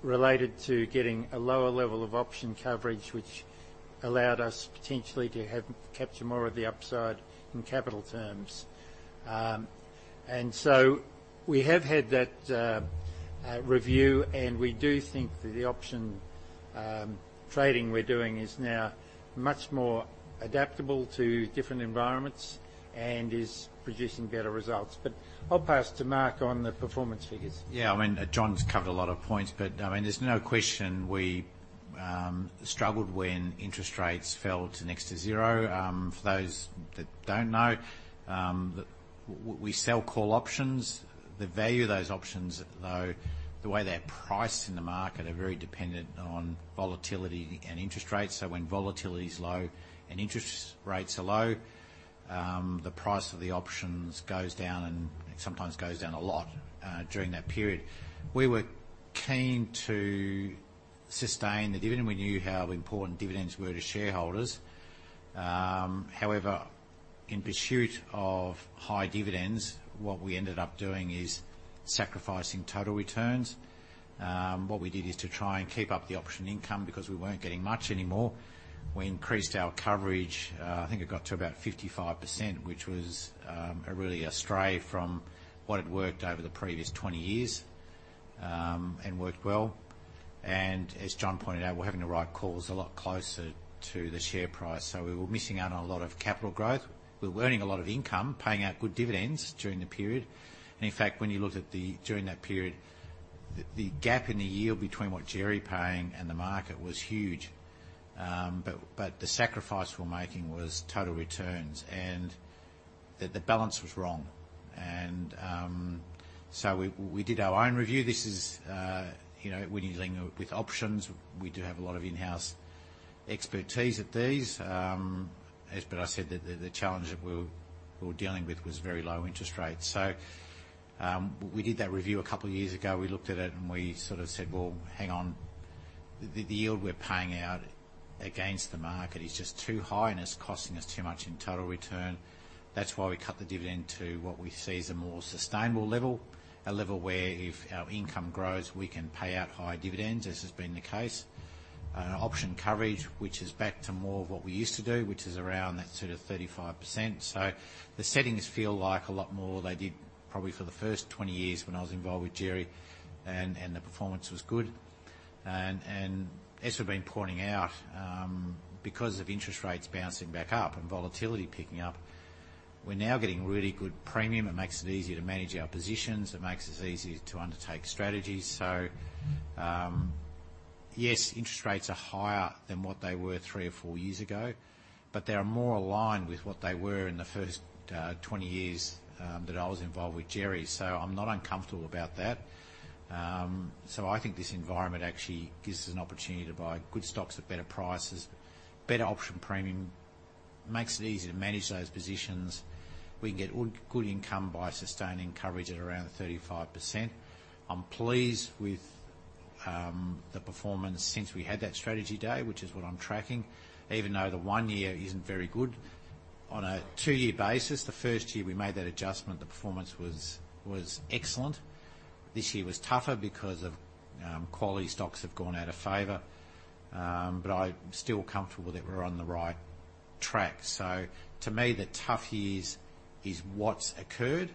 related to getting a lower level of option coverage, which allowed us potentially to capture more of the upside in capital terms. We have had that review, and we do think that the option trading we're doing is now much more adaptable to different environments and is producing better results. I'll pass to Mark on the performance figures. Yeah. I mean, John's covered a lot of points, but I mean, there's no question we struggled when interest rates fell to next to zero. For those that don't know, we sell call options. The value of those options, though, the way they're priced in the market, are very dependent on volatility and interest rates. When volatility is low and interest rates are low, the price of the options goes down and sometimes goes down a lot during that period. We were keen to sustain the dividend. We knew how important dividends were to shareholders. However, in pursuit of high dividends, what we ended up doing is sacrificing total returns. What we did is to try and keep up the option income because we weren't getting much anymore. We increased our coverage. I think it got to about 55%, which was really astray from what had worked over the previous 20 years and worked well. As John pointed out, we're writing calls a lot closer to the share price. We were missing out on a lot of capital growth. We were earning a lot of income, paying out good dividends during the period. In fact, when you looked at the yield during that period, the gap in the yield between what Djerriwarrh paying and the market was huge. But the sacrifice we're making was total returns and the balance was wrong. We did our own review. This is, you know, when you're dealing with options, we do have a lot of in-house expertise at these, as Bill said, the challenge that we're dealing with was very low interest rates. We did that review a couple of years ago. We looked at it and we sort of said, "Well, hang on. The yield we're paying out against the market is just too high and it's costing us too much in total return." That's why we cut the dividend to what we see is a more sustainable level, a level where if our income grows, we can pay out higher dividends, as has been the case. Option coverage, which is back to more of what we used to do, which is around that sort of 35%. The settings feel a lot more like they did probably for the first 20 years when I was involved with Djerriwarrh and the performance was good. As we've been pointing out, because of interest rates bouncing back up and volatility picking up, we're now getting really good premium. It makes it easier to manage our positions. It makes it easier to undertake strategies. Yes, interest rates are higher than what they were three or four years ago, but they are more aligned with what they were in the first 20 years that I was involved with Djerriwarrh. I'm not uncomfortable about that. I think this environment actually gives us an opportunity to buy good stocks at better prices, better option premium. Makes it easier to manage those positions. We can get good income by sustaining coverage at around 35%. I'm pleased with the performance since we had that strategy day, which is what I'm tracking. Even though the one-year isn't very good. On a two-year basis, the first year we made that adjustment, the performance was excellent. This year was tougher because of quality stocks have gone out of favor. But I'm still comfortable that we're on the right track. To me, the tough years is what's occurred.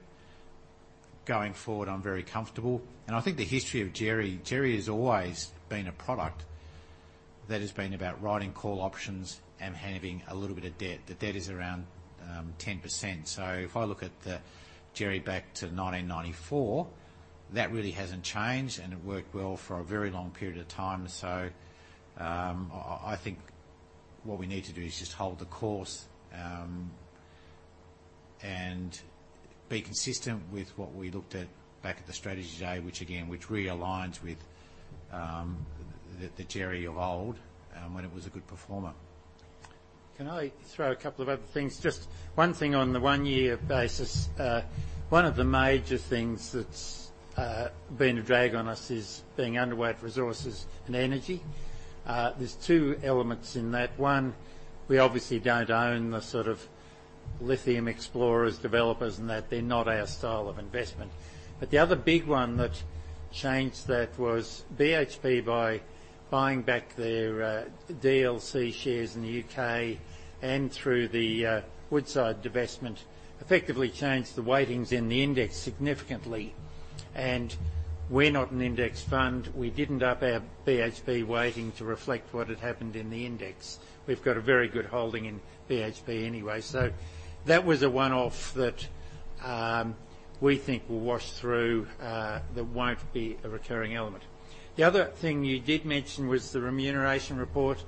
Going forward, I'm very comfortable. I think the history of Djerriwarrh: Djerriwarrh has always been a product that has been about writing call options and having a little bit of debt. The debt is around 10%. If I look at the Djerriwarrh back to 1994, that really hasn't changed, and it worked well for a very long period of time. I think what we need to do is just hold the course, and be consistent with what we looked at back at the strategy day, which realigns with the Djerriwarrh of old, when it was a good performer. Can I throw a couple of other things? Just one thing on the one-year basis. One of the major things that's been a drag on us is being underweight resources and energy. There's two elements in that. One, we obviously don't own the sort of lithium explorers, developers and that. They're not our style of investment. The other big one that changed that was BHP, by buying back their DLC shares in the UK and through the Woodside divestment, effectively changed the weightings in the index significantly. We're not an index fund. We didn't up our BHP weighting to reflect what had happened in the index. We've got a very good holding in BHP anyway. That was a one-off that we think will wash through, that won't be a recurring element. The other thing you did mention was the remuneration report.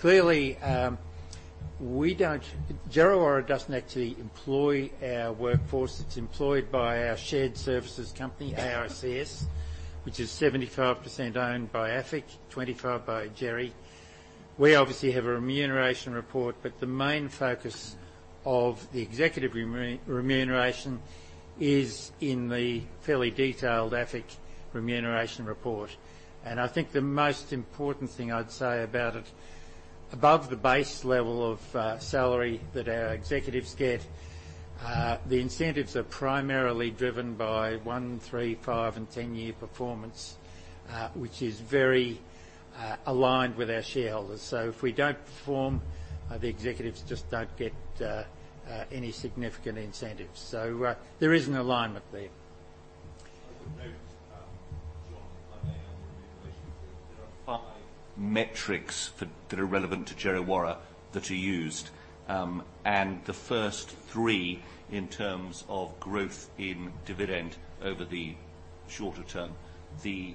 Clearly, Djerriwarrh doesn't actually employ our workforce. It's employed by our shared services company, AICS, which is 75% owned by AFIC, 25 by Djerriwarrh. We obviously have a remuneration report, but the main focus of the executive remuneration is in the fairly detailed AFIC remuneration report. I think the most important thing I'd say about it, above the base level of salary that our executives get, the incentives are primarily driven by one, three, five, and 10-year performance, which is very aligned with our shareholders. If we don't perform, the executives just don't get any significant incentives. There is an alignment there. There are five metrics that are relevant to Djerriwarrh that are used. The first three in terms of growth in dividend over the shorter term, the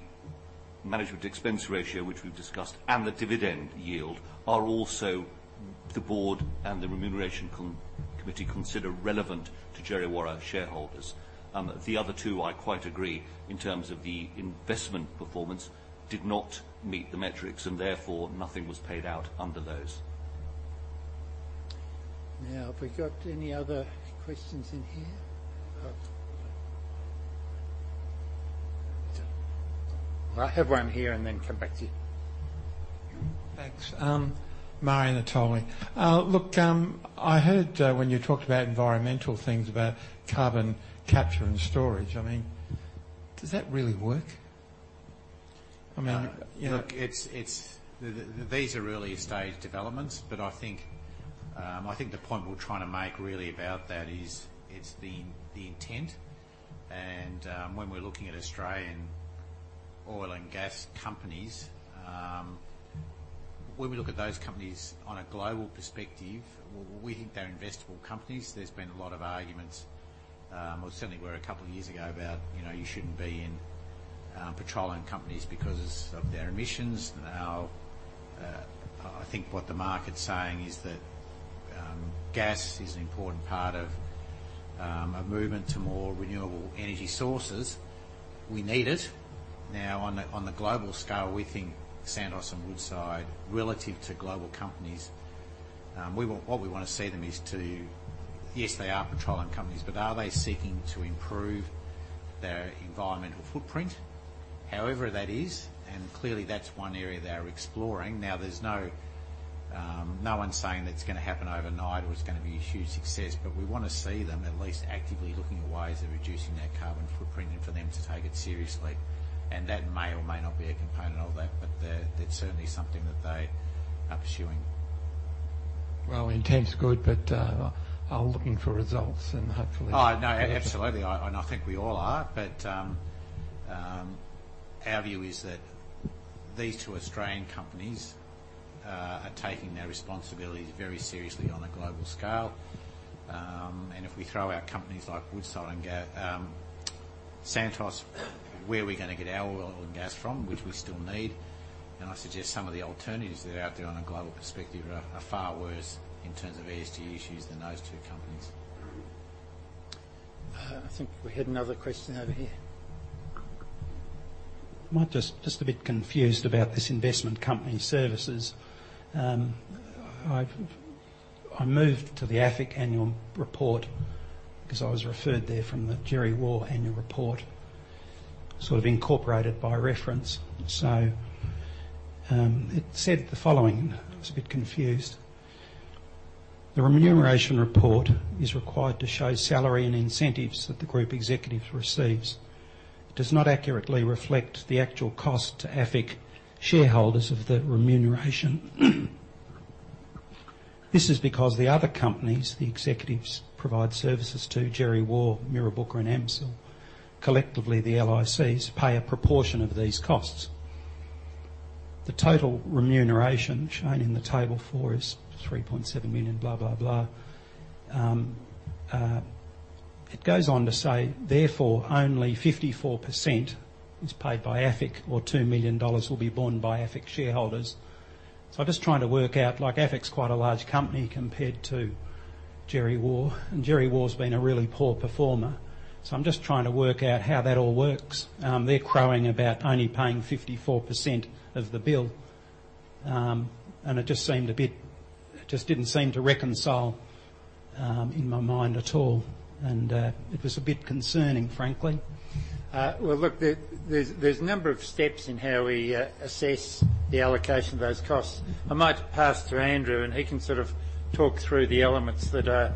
management expense ratio, which we've discussed, and the dividend yield are also what the board and the remuneration committee consider relevant to Djerriwarrh shareholders. The other two, I quite agree, in terms of the investment performance, did not meet the metrics, and therefore nothing was paid out under those. Now, have we got any other questions in here? Oh. I have one here and then come back to you. Thanks. Murray Natoli. Look, I heard when you talked about environmental things, about carbon capture and storage. I mean, does that really work? I mean- Look, it's these early stage developments, but I think the point we're trying to make really about that is it's the intent. When we're looking at Australian oil and gas companies, when we look at those companies on a global perspective, we think they're investable companies. There's been a lot of arguments, or certainly were a couple of years ago, about, you know, you shouldn't be in petroleum companies because of their emissions. Now, I think what the market's saying is that gas is an important part of a movement to more renewable energy sources. We need it. Now, on the global scale, we think Santos and Woodside, relative to global companies, what we wanna see them is to. Yes, they are petroleum companies, but are they seeking to improve their environmental footprint? However, that is, and clearly that's one area they're exploring. Now, there's no one saying it's gonna happen overnight or it's gonna be a huge success. We wanna see them at least actively looking at ways of reducing their carbon footprint and for them to take it seriously. That may or may not be a component of that, but they're certainly something that they are pursuing. Well, intent's good, but I'm looking for results and hopefully. Oh, no, absolutely. I think we all are. Our view is that these two Australian companies are taking their responsibilities very seriously on a global scale. If we throw out companies like Woodside and Santos, where are we gonna get our oil and gas from, which we still need? I suggest some of the alternatives that are out there on a global perspective are far worse in terms of ESG issues than those two companies. I think we had another question over here. Just a bit confused about this AICS. I moved to the AFIC annual report because I was referred there from the Djerriwarrh annual report, sort of incorporated by reference. It said the following. I was a bit confused. "The remuneration report is required to show salary and incentives that the group executives receives. It does not accurately reflect the actual cost to AFIC shareholders of the remuneration. This is because the other companies, the executives provide services to Djerriwarrh, Mirrabooka, and AMCIL. Collectively, the LICs pay a proportion of these costs. The total remuneration shown in the table four is 3.7 million," blah, blah. It goes on to say, "Therefore, only 54% is paid by AFIC, or 2 million dollars will be borne by AFIC shareholders." I'm just trying to work out, like AFIC's quite a large company compared to Djerriwarrh, and Djerriwarrh's been a really poor performer. I'm just trying to work out how that all works. They're crowing about only paying 54% of the bill, and it just seemed a bit. It just didn't seem to reconcile in my mind at all. It was a bit concerning, frankly. Well, look, there's a number of steps in how we assess the allocation of those costs. I might pass to Andrew, and he can sort of talk through the elements that are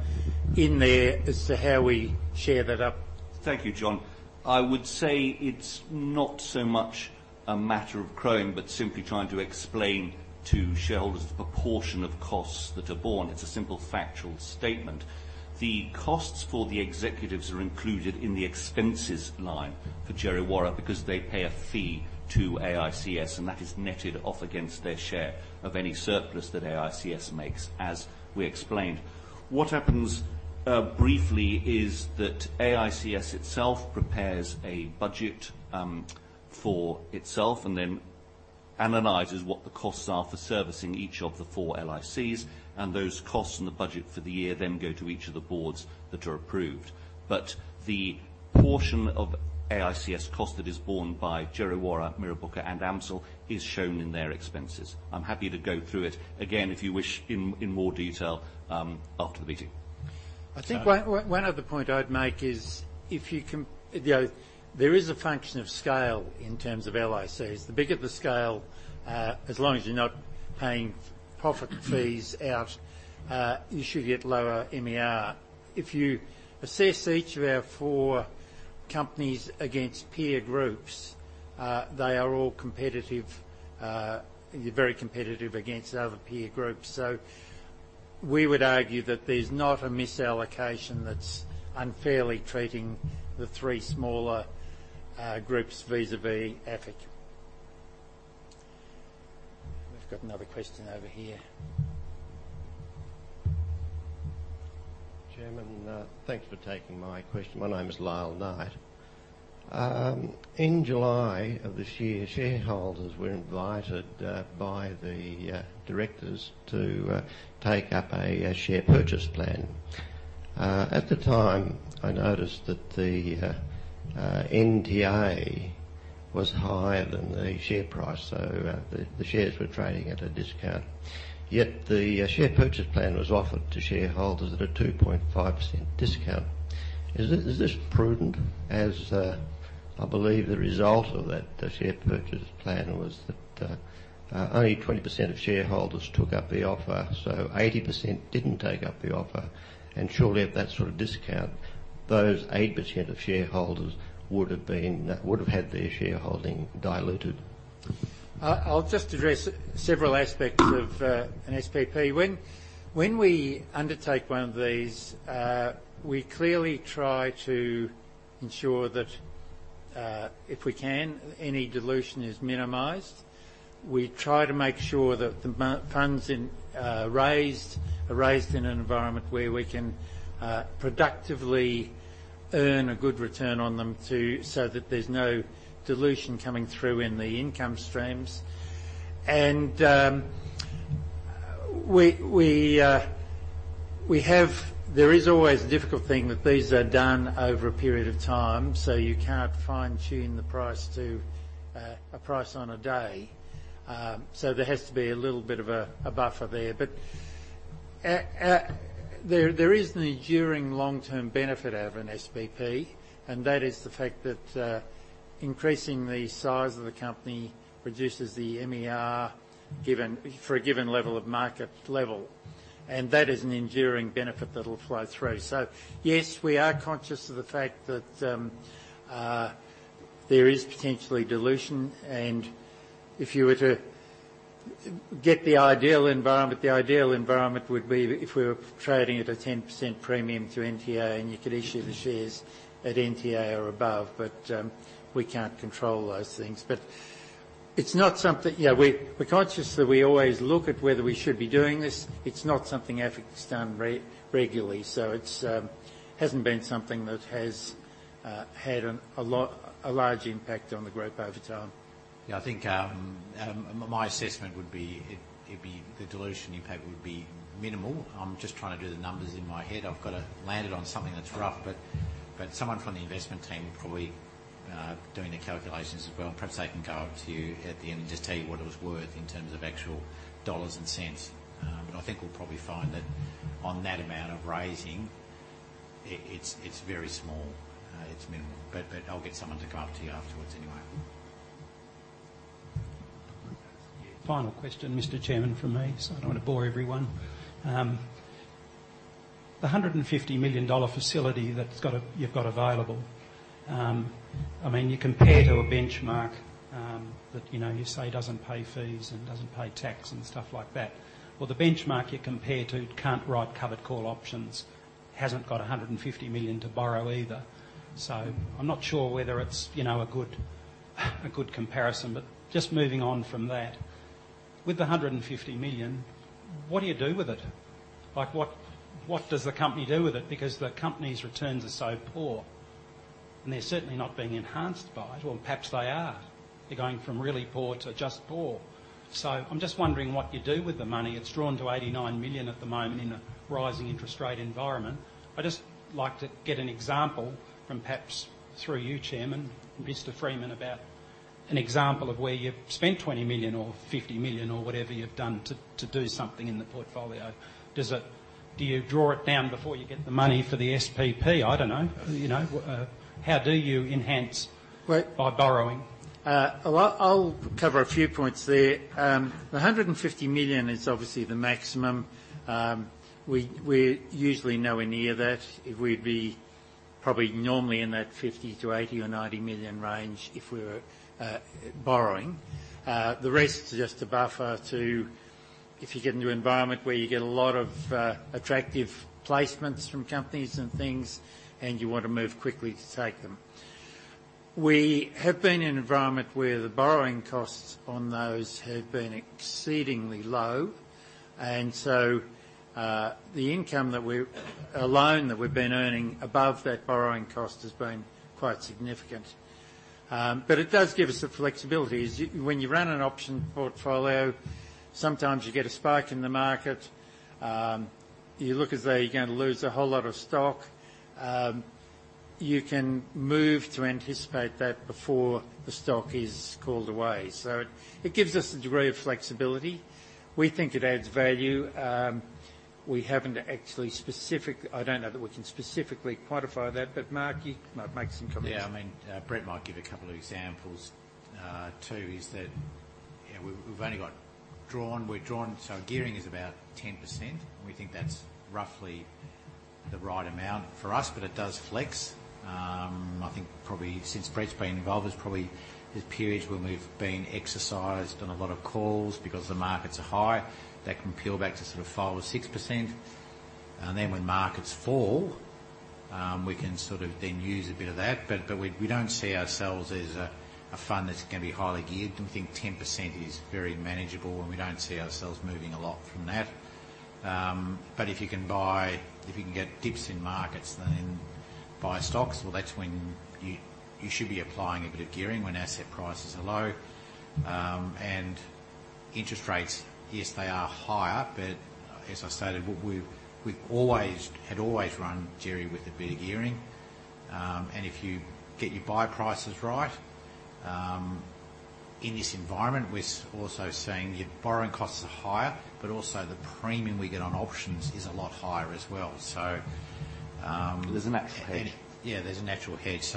in there as to how we share that up. Thank you, John. I would say it's not so much a matter of crowing, but simply trying to explain to shareholders the proportion of costs that are borne. It's a simple factual statement. The costs for the executives are included in the expenses line for Djerriwarrh because they pay a fee to AICS, and that is netted off against their share of any surplus that AICS makes, as we explained. What happens, briefly is that AICS itself prepares a budget for itself and then analyzes what the costs are for servicing each of the four LICs, and those costs and the budget for the year then go to each of the boards that are approved. The portion of AICS cost that is borne by Djerriwarrh, Mirrabooka, and AMCIL is shown in their expenses. I'm happy to go through it again if you wish in more detail after the meeting. I think one other point I'd make is if you can you know there is a function of scale in terms of LICs. The bigger the scale as long as you're not paying profit fees out you should get lower MER. If you assess each of our four companies against peer groups they are all competitive very competitive against other peer groups. We would argue that there's not a misallocation that's unfairly treating the three smaller groups vis-à-vis AFIC. We've got another question over here. Chairman, thanks for taking my question. My name is Lyle Knight. In July of this year, shareholders were invited by the directors to take up a share purchase plan. At the time, I noticed that the NTA was higher than the share price, so the shares were trading at a discount. Yet the share purchase plan was offered to shareholders at a 2.5% discount. Is this prudent as I believe the result of that, the share purchase plan was that only 20% of shareholders took up the offer, so 80% didn't take up the offer. Surely at that sort of discount, those 80% of shareholders would have had their shareholding diluted. I'll just address several aspects of an SPP. When we undertake one of these, we clearly try to ensure that, if we can, any dilution is minimized. We try to make sure that the funds raised are raised in an environment where we can productively earn a good return on them too, so that there's no dilution coming through in the income streams. There is always a difficult thing that these are done over a period of time, so you can't fine-tune the price to a price on a day. There has to be a little bit of a buffer there. There is an enduring long-term benefit out of an SPP, and that is the fact that increasing the size of the company reduces the MER given for a given level of market level. That is an enduring benefit that'll flow through. Yes, we are conscious of the fact that there is potentially dilution. If you were to get the ideal environment. The ideal environment would be if we were trading at a 10% premium to NTA, and you could issue the shares at NTA or above. We can't control those things. It's not something. You know, we're conscious that we always look at whether we should be doing this. It's not something AFIC's done regularly, so it hasn't been something that has had a large impact on the group over time. Yeah. I think my assessment would be it'd be the dilution impact would be minimal. I'm just trying to do the numbers in my head. I've got to land it on something that's rough, but someone from the investment team probably doing the calculations as well. Perhaps they can come up to you at the end and just tell you what it was worth in terms of actual dollars and cents. I think we'll probably find that on that amount of raising it's very small. It's minimal. I'll get someone to come up to you afterwards anyway. Final question, Mr. Chairman from me, so I don't want to bore everyone. The 150 million dollar facility that you've got available, I mean, you compare to a benchmark, that, you know, you say doesn't pay fees and doesn't pay tax and stuff like that. Well, the benchmark you compare to can't write covered call options, hasn't got 150 million to borrow either. I'm not sure whether it's, you know, a good comparison. Just moving on from that, with the 150 million, what do you do with it? Like, what does the company do with it? Because the company's returns are so poor, and they're certainly not being enhanced by it. Well, perhaps they are. They're going from really poor to just poor. I'm just wondering what you do with the money. It's drawn to 89 million at the moment in a rising interest rate environment. I'd just like to get an example from perhaps through you, Chairman, Mr. Freeman, about an example of where you've spent 20 million or 50 million or whatever you've done to do something in the portfolio. Do you draw it down before you get the money for the SPP? I don't know. You know, by borrowing? Well, I'll cover a few points there. The 150 million is obviously the maximum. We're usually nowhere near that. We'd be probably normally in that 50-80 or 90 million range if we were borrowing. The rest is just a buffer to if you get into an environment where you get a lot of attractive placements from companies and things, and you want to move quickly to take them. We have been in an environment where the borrowing costs on those have been exceedingly low. The income alone that we've been earning above that borrowing cost has been quite significant. But it does give us the flexibility. When you run an option portfolio, sometimes you get a spike in the market. You look as though you're going to lose a whole lot of stock. You can move to anticipate that before the stock is called away. It gives us a degree of flexibility. We think it adds value. We haven't actually. I don't know that we can specifically quantify that. Mark, you might make some comments. Yeah. I mean, Brett might give a couple of examples. Two is that, you know, we've only got drawn, we're drawn, so gearing is about 10%, and we think that's roughly the right amount for us, but it does flex. I think probably since Brett's been involved, there's probably periods where we've been exercised on a lot of calls because the markets are high. That can peel back to sort of 5% or 6%. Then when markets fall, we can sort of then use a bit of that. But we don't see ourselves as a fund that's gonna be highly geared. We think 10% is very manageable, and we don't see ourselves moving a lot from that. But if you can buy, if you can get dips in markets, then buy stocks. Well, that's when you should be applying a bit of gearing when asset prices are low. Interest rates, yes, they are higher, but as I stated, we've always run Djerriwarrh with a bit of gearing. If you get our buy prices right, in this environment, we're also seeing our borrowing costs are higher, but also the premium we get on options is a lot higher as well. There's a natural hedge. Yeah, there's a natural hedge.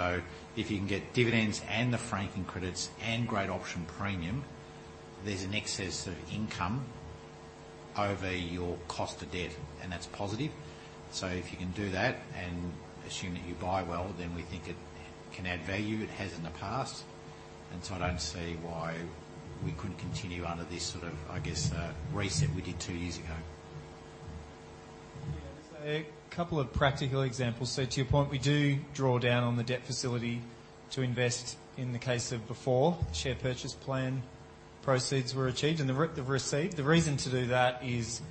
If you can get dividends and the franking credits and great option premium, there's an excess of income over your cost of debt, and that's positive. If you can do that and assume that you buy well, then we think it can add value. It has in the past. I don't see why we couldn't continue under this sort of, I guess, reset we did two years ago. Yeah. A couple of practical examples. To your point, we do draw down on the debt facility to invest in the case of before share purchase plan proceeds were achieved and the received. The reason to do that is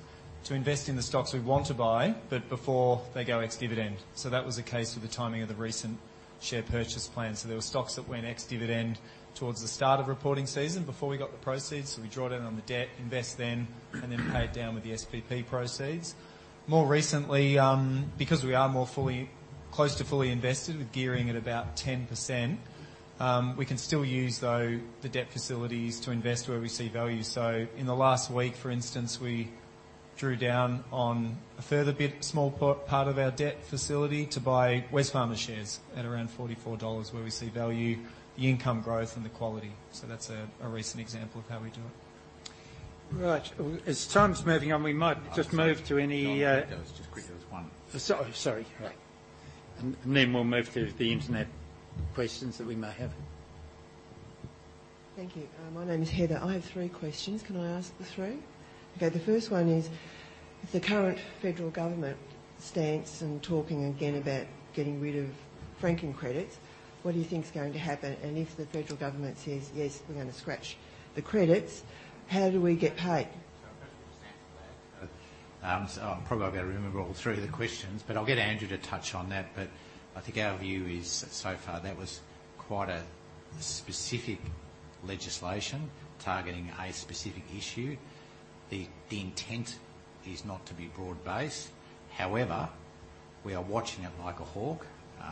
to invest in the stocks we want to buy, but before they go ex-dividend. That was the case with the timing of the recent share purchase plan. There were stocks that went ex-dividend towards the start of reporting season before we got the proceeds. We draw down on the debt, invest then, and then pay it down with the SPP proceeds. More recently, because we are more fully, close to fully invested with gearing at about 10%, we can still use the debt facilities to invest where we see value. In the last week, for instance, we drew down on a further small part of our debt facility to buy Wesfarmers shares at around 44 dollars where we see value, the income growth, and the quality. That's a recent example of how we do it. Right. As time's moving on, we might just move to any, Just quickly, there's one. So-sorry. We'll move to the internet questions that we may have. Thank you. My name is Heather. I have three questions. Can I ask the three? Okay. The first one is, the current federal government stance and talking again about getting rid of franking credits. What do you think is going to happen? If the federal government says, "Yes, we're gonna scratch the credits," how do we get paid? I'll probably give you the answer to that. I'll probably not be able to remember all three of the questions, but I'll get Andrew to touch on that. I think our view is so far, that was quite a specific legislation targeting a specific issue. The intent is not to be broad-based. However, we are watching it like a hawk.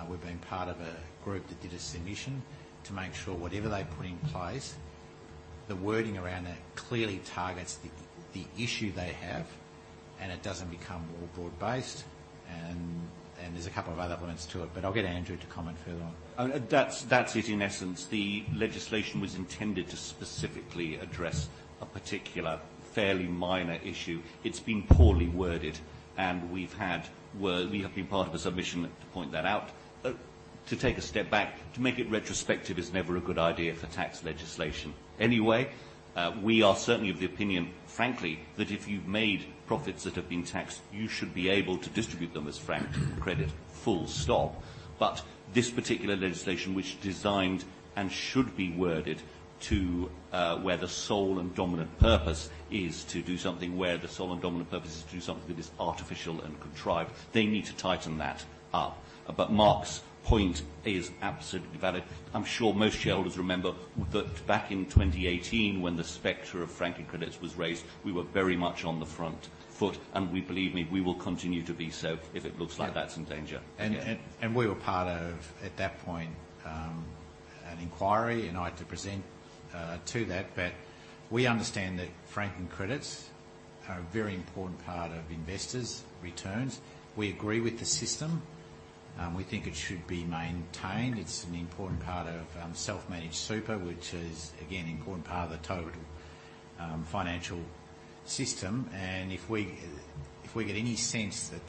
We've been part of a group that did a submission to make sure whatever they put in place, the wording around it clearly targets the issue they have, and it doesn't become more broad-based. There's a couple of other elements to it, but I'll get Andrew to comment further on. Oh, that's it in essence. The legislation was intended to specifically address a particular fairly minor issue. It's been poorly worded, and we have been part of a submission to point that out. To take a step back, to make it retrospective is never a good idea for tax legislation anyway. We are certainly of the opinion, frankly, that if you've made profits that have been taxed, you should be able to distribute them as franking credit, full stop. This particular legislation which designed and should be worded to, where the sole and dominant purpose is to do something, where the sole and dominant purpose is to do something that is artificial and contrived, they need to tighten that up. Mark's point is absolutely valid. I'm sure most shareholders remember that back in 2018 when the specter of franking credits was raised, we were very much on the front foot, and we believe me, we will continue to be so if it looks like that's in danger. We were part of, at that point, an inquiry, and I had to present to that. We understand that franking credits are a very important part of investors' returns. We agree with the system. We think it should be maintained. It's an important part of self-managed super, which is again, an important part of the total financial system. If we get any sense that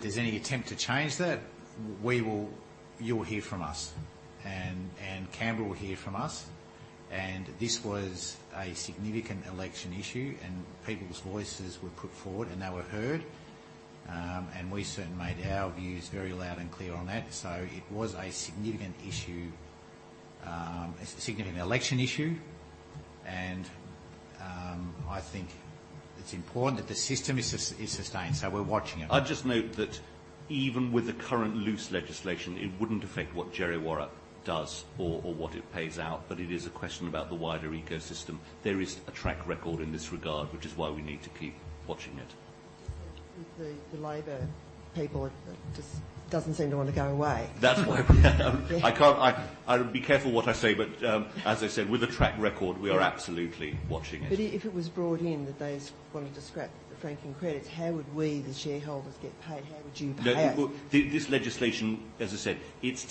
there's any attempt to change that, we will. You will hear from us and Canberra will hear from us. This was a significant election issue, and people's voices were put forward, and they were heard. We certainly made our views very loud and clear on that. It was a significant issue, a significant election issue, and I think it's important that the system is sustained, so we're watching it. I'd just note that even with the current loose legislation, it wouldn't affect what Djerriwarrh does or what it pays out, but it is a question about the wider ecosystem. There is a track record in this regard, which is why we need to keep watching it. The Labor people just doesn't seem to wanna go away. That's why I'll be careful what I say, but as I said, with a track record, we are absolutely watching it. If it was brought in that they wanted to scrap the franking credits, how would we, the shareholders, get paid? How would you pay it? No, well, this legislation, as I said, it's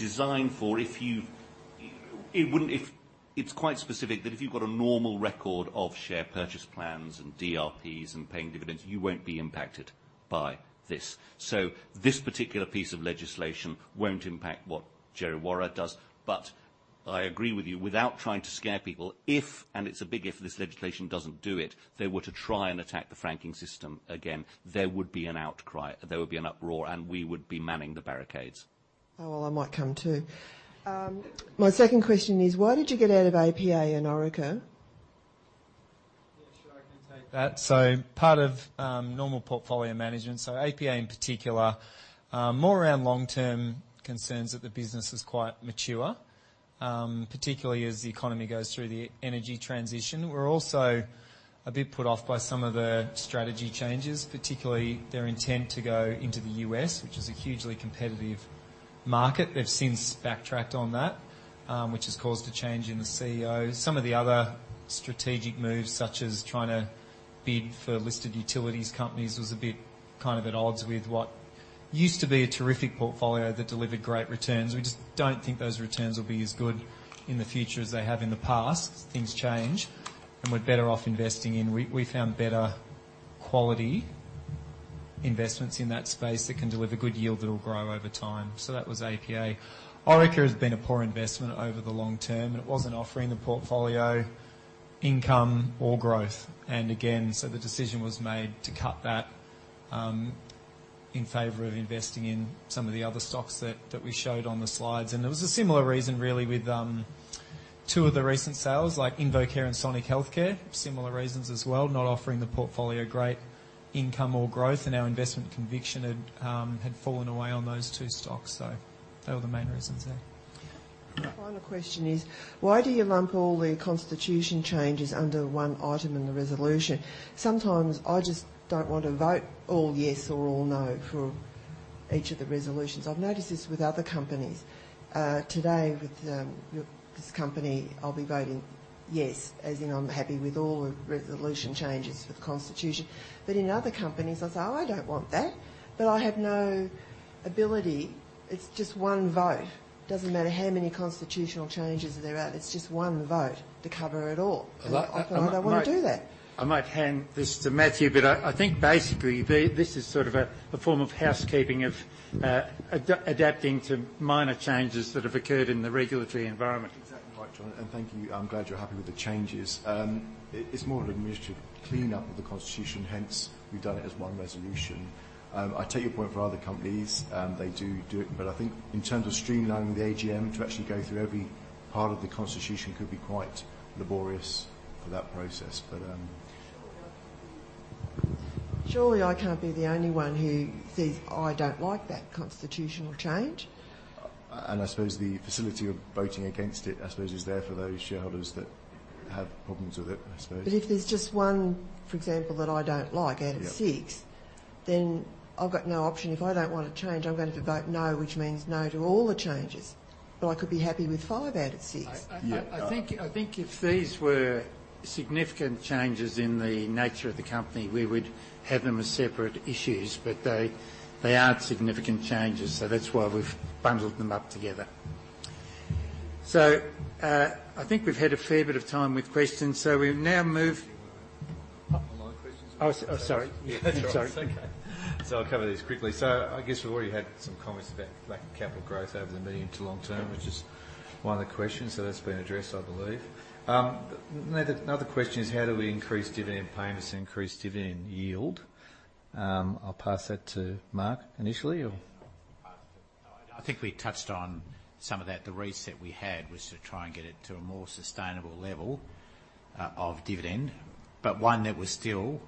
quite specific that if you've got a normal record of share purchase plans and DRPs and paying dividends, you won't be impacted by this. This particular piece of legislation won't impact what Djerriwarrh does. I agree with you, without trying to scare people, if, and it's a big if, this legislation doesn't do it, they were to try and attack the franking system again, there would be an outcry, there would be an uproar, and we would be manning the barricades. Oh, well, I might come too. My second question is: Why did you get out of APA and Orica? Yeah, sure. I can take that. Part of normal portfolio management, APA in particular, more around long-term concerns that the business is quite mature, particularly as the economy goes through the energy transition. We're also a bit put off by some of the strategy changes, particularly their intent to go into the U.S., which is a hugely competitive market. They've since backtracked on that, which has caused a change in the CEO. Some of the other strategic moves, such as trying to bid for listed utilities companies, was a bit kind of at odds with what used to be a terrific portfolio that delivered great returns. We just don't think those returns will be as good in the future as they have in the past. Things change, and we're better off investing in. We found better quality investments in that space that can deliver good yield that'll grow over time. That was APA. Orica has been a poor investment over the long term, and it wasn't offering the portfolio income or growth. The decision was made to cut that in favor of investing in some of the other stocks that we showed on the slides. There was a similar reason really with two of the recent sales, like InvoCare and Sonic Healthcare, similar reasons as well, not offering the portfolio great income or growth, and our investment conviction had fallen away on those two stocks. They were the main reasons there. My final question is: why do you lump all the constitution changes under one item in the resolution? Sometimes I just don't want to vote all yes or all no for each of the resolutions. I've noticed this with other companies. Today with this company, I'll be voting yes, as in I'm happy with all the resolution changes for the constitution. In other companies, I'll say, "Oh, I don't want that," but I have no ability, it's just one vote. Doesn't matter how many constitutional changes there are, it's just one vote to cover it all. Well, I might. Often, I don't wanna do that. I might hand this to Matthew, but I think basically this is sort of a form of housekeeping, of adapting to minor changes that have occurred in the regulatory environment. Exactly right, John, and thank you. I'm glad you're happy with the changes. It's more of an administrative cleanup of the constitution; hence we've done it as one resolution. I take your point for other companies, they do it, but I think in terms of streamlining the AGM, to actually go through every part of the constitution could be quite laborious for that process. Surely, I can't be the only one who says I don't like that constitutional change. I suppose the facility of voting against it, I suppose, is there for those shareholders that have problems with it, I suppose. If there's just one, for example, that I don't like. Yeah out of six, then I've got no option. If I don't want to change, I'm going to vote no, which means no to all the changes. I could be happy with five out of six. I Yeah. I think if these were significant changes in the nature of the company, we would have them as separate issues, but they aren't significant changes, so that's why we've bundled them up together. I think we've had a fair bit of time with questions, so we now move. Do you want any online questions? Oh, sorry. Yeah, that's all right. Sorry. It's okay. I'll cover these quickly. I guess we've already had some comments about like capital growth over the medium to long term, which is one of the questions. That's been addressed, I believe. Another question is: How do we increase dividend payments to increase dividend yield? I'll pass that to Mark initially or Yes. I think we touched on some of that. The reset we had was to try and get it to a more sustainable level of dividend, but one that was still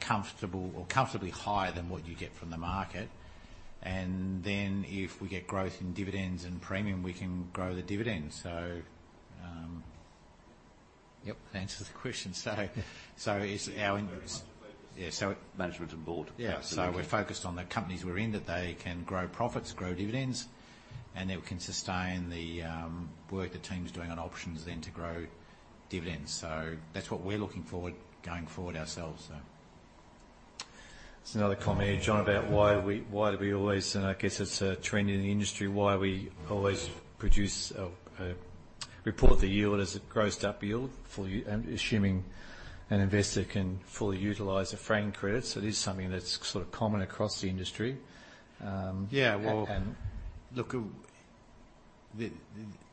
comfortably higher than what you'd get from the market. Then if we get growth in dividends and premium, we can grow the dividends. Yep, answers the question. Is our in- Management and Board. Yeah. Absolutely. We're focused on the companies we're in, that they can grow profits, grow dividends, and that we can sustain the work the team's doing on options then to grow dividends. That's what we're looking forward going forward ourselves, so. There's another comment here, John, about why do we always, and I guess it's a trend in the industry, why we always produce a report, the yield as a grossed-up yield for you, assuming an investor can fully utilize the franking credits. It is something that's sort of common across the industry. Yeah, well. And, and- Look,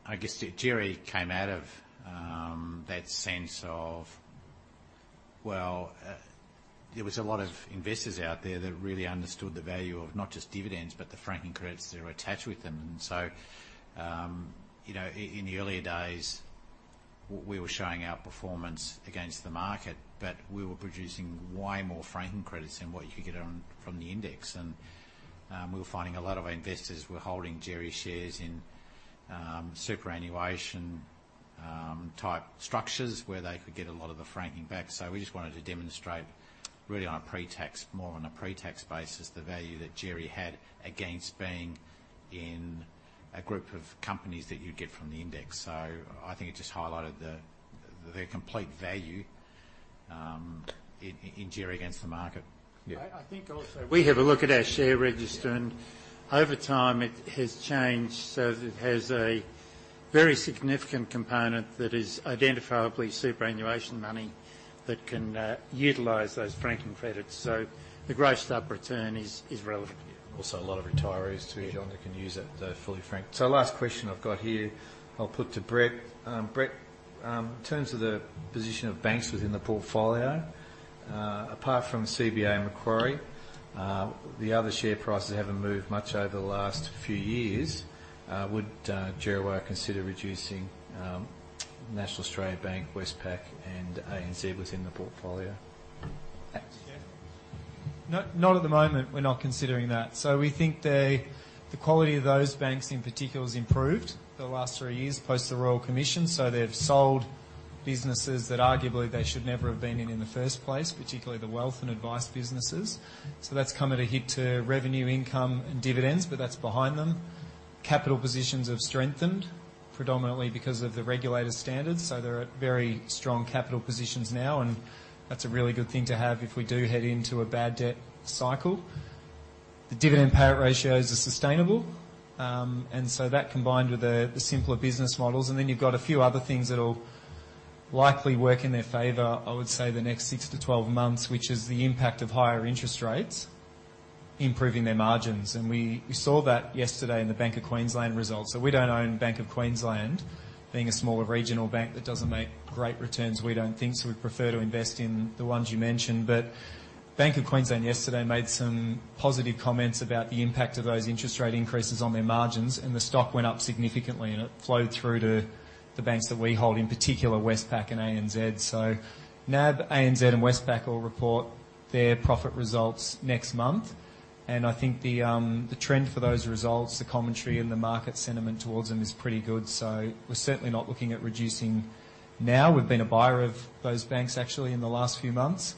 I guess Djerriwarrh came out of that sense of, well, there was a lot of investors out there that really understood the value of not just dividends, but the franking credits that are attached with them. You know, in the earlier days, we were showing our performance against the market, but we were producing way more franking credits than what you could get from the index. We were finding a lot of our investors were holding Djerriwarrh shares in superannuation type structures where they could get a lot of the franking back. We just wanted to demonstrate really on a pre-tax, more on a pre-tax basis, the value that Djerriwarrh had against being in a group of companies that you'd get from the index. I think it just highlighted the complete value in Djerriwarrh against the market. Yeah. I think also we have a look at our share register. Yeah over time it has changed. It has a very significant component that is identifiably superannuation money that can utilize those franking credits. The grossed up return is relevant. Also a lot of retirees too, John, that can use that, the fully franked. Last question I've got here I'll put to Brett. Brett, in terms of the position of banks within the portfolio, apart from CBA and Macquarie, the other share prices haven't moved much over the last few years. Would JBWere consider reducing National Australia Bank, Westpac and ANZ within the portfolio? Thanks. Yeah. No, not at the moment, we're not considering that. We think the quality of those banks in particular has improved the last three years post the Royal Commission. They've sold businesses that arguably they should never have been in in the first place, particularly the wealth and advice businesses. That's come at a hit to revenue income and dividends, but that's behind them. Capital positions have strengthened predominantly because of the regulator's standards, so they're at very strong capital positions now and that's a really good thing to have if we do head into a bad debt cycle. The dividend payout ratios are sustainable, and so that combined with the simpler business models, and then you've got a few other things that'll likely work in their favor, I would say the next six-12 months, which is the impact of higher interest rates improving their margins. We saw that yesterday in the Bank of Queensland results. We don't own Bank of Queensland. Being a smaller regional bank that doesn't make great returns, we don't think, so we prefer to invest in the ones you mentioned. Bank of Queensland yesterday made some positive comments about the impact of those interest rate increases on their margins and the stock went up significantly and it flowed through to the banks that we hold, in particular Westpac and ANZ. NAB, ANZ and Westpac all report their profit results next month. I think the trend for those results, the commentary and the market sentiment towards them is pretty good. We're certainly not looking at reducing now. We've been a buyer of those banks actually in the last few months.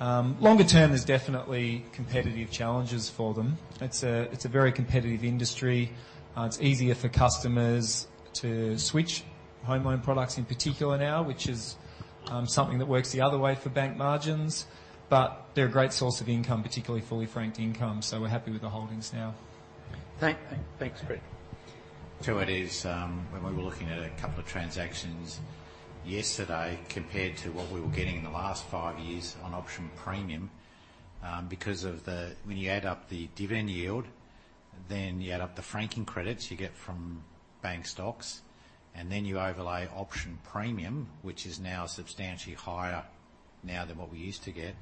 Longer term, there's definitely competitive challenges for them. It's a very competitive industry. It's easier for customers to switch Home loan products in particular now, which is something that works the other way for bank margins, but they're a great source of income, particularly fully franked income, so we're happy with the holdings now. Thanks, Brett. It is when we were looking at a couple of transactions yesterday compared to what we were getting in the last five years on option premium. When you add up the dividend yield, then you add up the franking credits you get from bank stocks, and then you overlay option premium, which is now substantially higher now than what we used to get.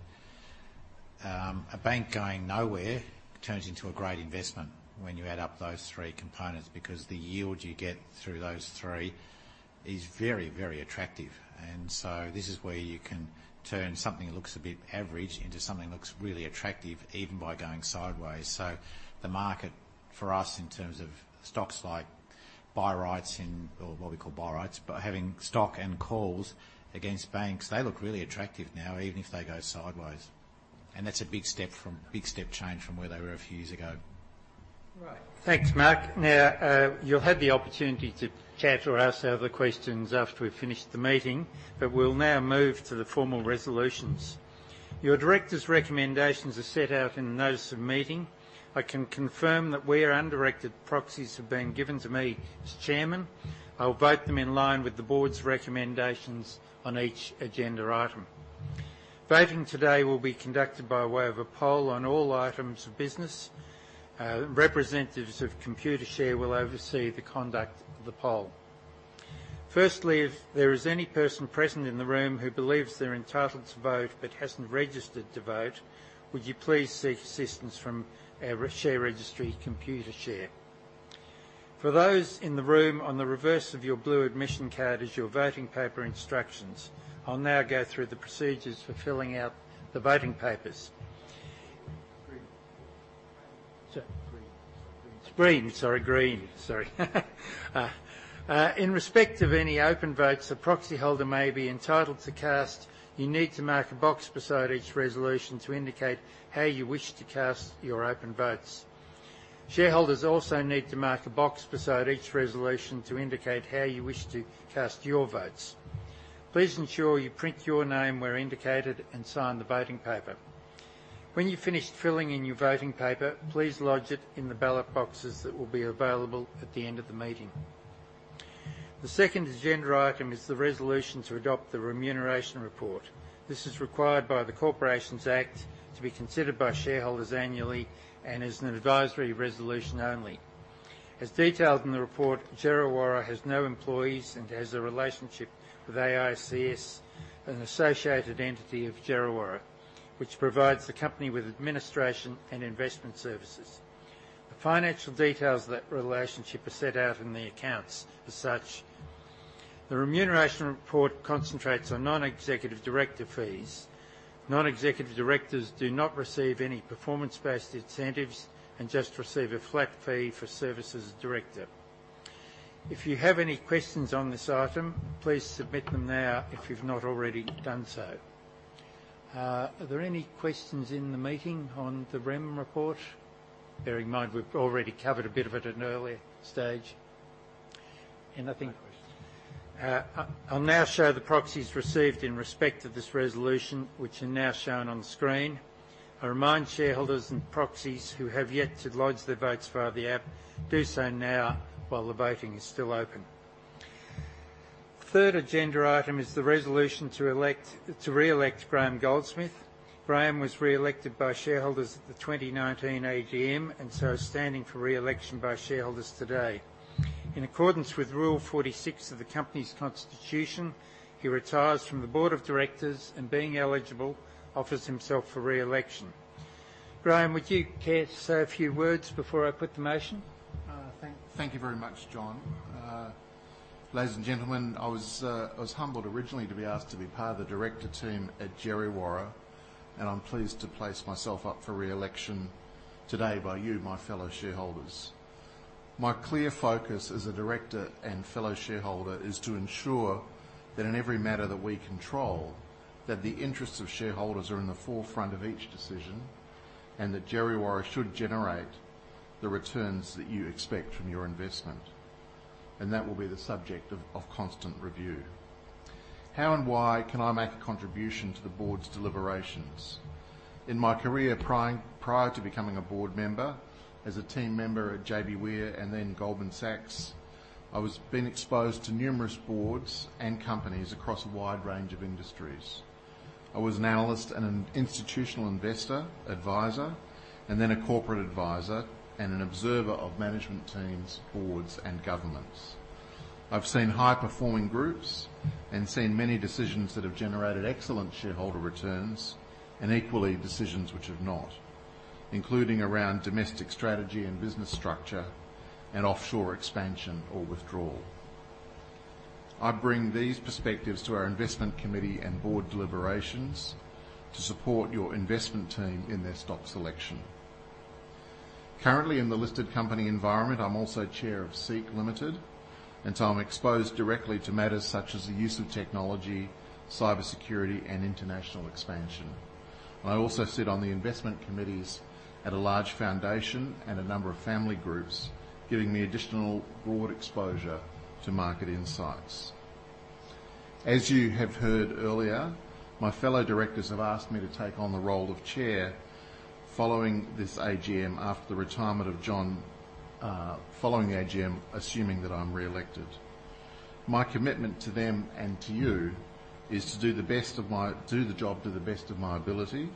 A bank going nowhere turns into a great investment when you add up those three components because the yield you get through those three is very, very attractive. This is where you can turn something that looks a bit average into something that looks really attractive even by going sideways. The market for us in terms of stocks like buy-writes, or what we call buy-writes, but having stock and calls against banks, they look really attractive now, even if they go sideways. That's a big step change from where they were a few years ago. Right. Thanks, Mark. Now, you'll have the opportunity to chat or ask other questions after we've finished the meeting, but we'll now move to the formal resolutions. Your directors' recommendations are set out in the notice of meeting. I can confirm that where undirected proxies have been given to me as chairman, I will vote them in line with the board's recommendations on each agenda item. Voting today will be conducted by way of a poll on all items of business. Representatives of Computershare will oversee the conduct of the poll. Firstly, if there is any person present in the room who believes they're entitled to vote but hasn't registered to vote, would you please seek assistance from our share registry, Computershare. For those in the room, on the reverse of your blue admission card is your voting paper instructions. I'll now go through the procedures for filling out the voting papers. Green. Sorry? Green. It's green. In respect of any open votes a proxyholder may be entitled to cast, you need to mark a box beside each resolution to indicate how you wish to cast your open votes. Shareholders also need to mark a box beside each resolution to indicate how you wish to cast your votes. Please ensure you print your name where indicated and sign the voting paper. When you've finished filling in your voting paper, please lodge it in the ballot boxes that will be available at the end of the meeting. The second agenda item is the resolution to adopt the remuneration report. This is required by the Corporations Act to be considered by shareholders annually and is an advisory resolution only. As detailed in the report, Djerriwarrh has no employees and has a relationship with AICS, an associated entity of Djerriwarrh, which provides the company with administration and investment services. The financial details of that relationship are set out in the accounts. As such, the remuneration report concentrates on non-executive director fees. Non-executive directors do not receive any performance-based incentives and just receive a flat fee for service as a director. If you have any questions on this item, please submit them now if you've not already done so. Are there any questions in the meeting on the rem report? Bearing in mind we've already covered a bit of it at an earlier stage. No questions. I'll now show the proxies received in respect of this resolution, which are now shown on screen. I remind shareholders and proxies who have yet to lodge their votes via the app, do so now while the voting is still open. Third agenda item is the resolution to elect, to re-elect Graham Goldsmith. Graham was re-elected by shareholders at the 2019 AGM and so is standing for re-election by shareholders today. In accordance with Rule 46 of the company's constitution, he retires from the board of directors and being eligible, offers himself for re-election. Graham, would you care to say a few words before I put the motion? Thank you very much, John. Ladies and gentlemen, I was humbled originally to be asked to be part of the director team at Djerriwarrh, and I'm pleased to place myself up for re-election today by you, my fellow shareholders. My clear focus as a director and fellow shareholder is to ensure that in every matter that we control, that the interests of shareholders are in the forefront of each decision, and that Djerriwarrh should generate the returns that you expect from your investment. That will be the subject of constant review. How and why can I make a contribution to the board's deliberations? In my career, prior to becoming a board member, as a team member at J.B. Were and then Goldman Sachs, I was being exposed to numerous boards and companies across a wide range of industries. I was an analyst and an institutional investor, advisor, and then a corporate advisor and an observer of management teams, boards, and governments. I've seen high-performing groups and seen many decisions that have generated excellent shareholder returns, and equally, decisions which have not, including around domestic strategy and business structure and offshore expansion or withdrawal. I bring these perspectives to our investment committee and board deliberations to support your investment team in their stock selection. Currently, in the listed company environment, I'm also chair of SEEK Limited, and so I'm exposed directly to matters such as the use of technology, cybersecurity, and international expansion. I also sit on the investment committees at a large foundation and a number of family groups, giving me additional broad exposure to market insights. As you have heard earlier, my fellow directors have asked me to take on the role of chair following this AGM after the retirement of John, assuming that I'm reelected. My commitment to them and to you is to do the job to the best of my ability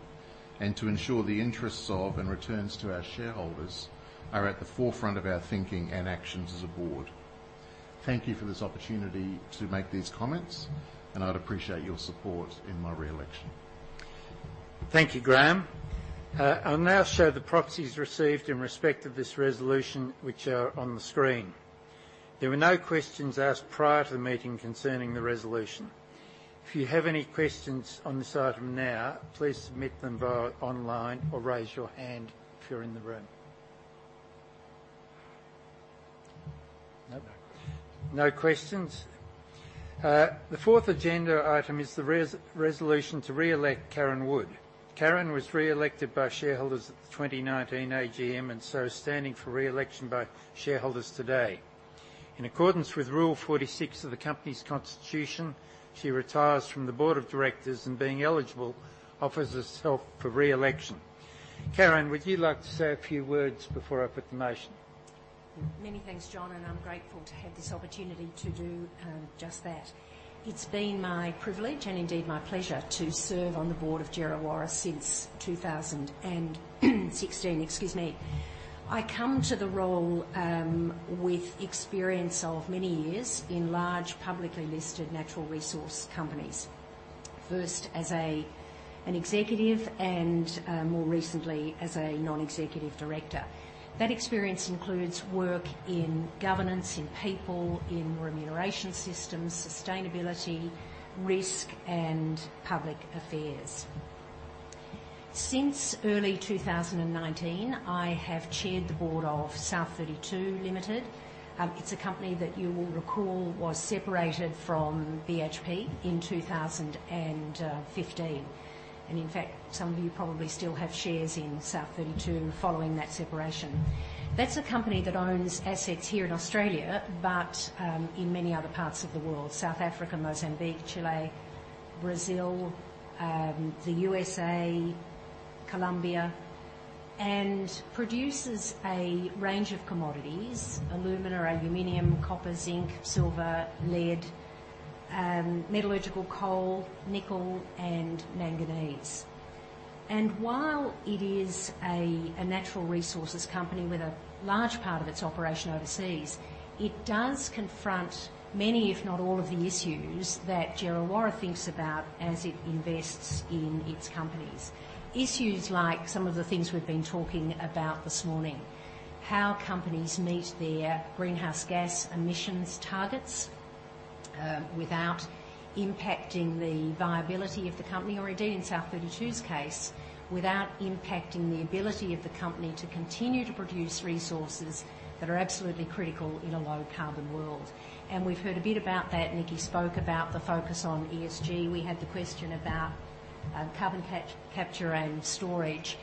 and to ensure the interests of and returns to our shareholders are at the forefront of our thinking and actions as a board. Thank you for this opportunity to make these comments, and I'd appreciate your support in my reelection. Thank you, Graham. I'll now show the proxies received in respect of this resolution, which are on the screen. There were no questions asked prior to the meeting concerning the resolution. If you have any questions on this item now, please submit them via online or raise your hand if you're in the room. No questions. The fourth agenda item is the resolution to reelect Karen Wood. Karen was reelected by shareholders at the 2019 AGM, and so standing for reelection by shareholders today. In accordance with Rule 46 of the company's constitution, she retires from the board of directors and, being eligible, offers herself for reelection. Karen, would you like to say a few words before I put the motion? Many thanks, John, and I'm grateful to have this opportunity to do just that. It's been my privilege and indeed my pleasure to serve on the board of Djerriwarrh since 2016. Excuse me. I come to the role with experience of many years in large, publicly listed natural resource companies. First as an executive and more recently as a non-executive director. That experience includes work in governance, in people, in remuneration systems, sustainability, risk, and public affairs. Since early 2019, I have chaired the board of South32 Limited. It's a company that you will recall was separated from BHP in 2015. In fact, some of you probably still have shares in South32 following that separation. That's a company that owns assets here in Australia, but in many other parts of the world, South Africa, Mozambique, Chile, Brazil, the USA, Colombia, and produces a range of commodities, alumina, aluminum, copper, zinc, silver, lead, metallurgical coal, nickel, and manganese. While it is a natural resources company with a large part of its operation overseas, it does confront many, if not all, of the issues that Djerriwarrh thinks about as it invests in its companies. Issues like some of the things we've been talking about this morning. How companies meet their greenhouse gas emissions targets without impacting the viability of the company or indeed, in South32's case, without impacting the ability of the company to continue to produce resources that are absolutely critical in a low carbon world. We've heard a bit about that. Nikki spoke about the focus on ESG. We had the question about carbon capture and storage.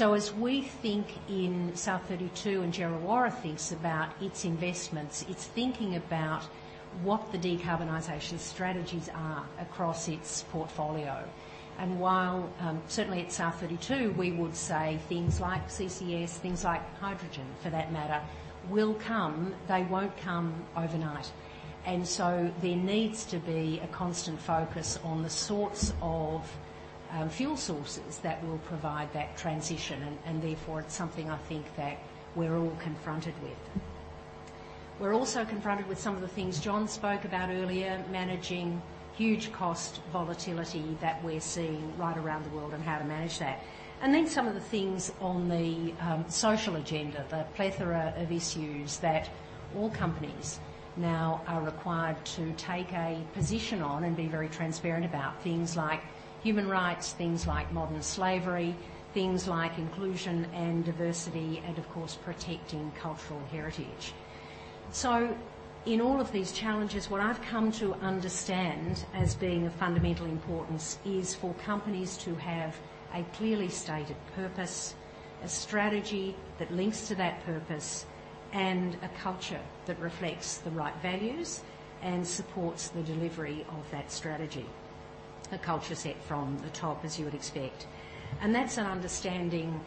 As we think in South32 and Djerriwarrh thinks about its investments, it's thinking about what the decarbonization strategies are across its portfolio. While certainly at South32, we would say things like CCS, things like hydrogen for that matter, will come, they won't come overnight. There needs to be a constant focus on the sorts of fuel sources that will provide that transition and therefore it's something I think that we're all confronted with. We're also confronted with some of the things John spoke about earlier, managing huge cost volatility that we're seeing right around the world and how to manage that. Some of the things on the social agenda, the plethora of issues that all companies now are required to take a position on and be very transparent about. Things like human rights, things like modern slavery, things like inclusion and diversity, and of course, protecting cultural heritage. In all of these challenges, what I've come to understand as being of fundamental importance is for companies to have a clearly stated purpose, a strategy that links to that purpose, and a culture that reflects the right values and supports the delivery of that strategy. A culture set from the top, as you would expect. That's an understanding,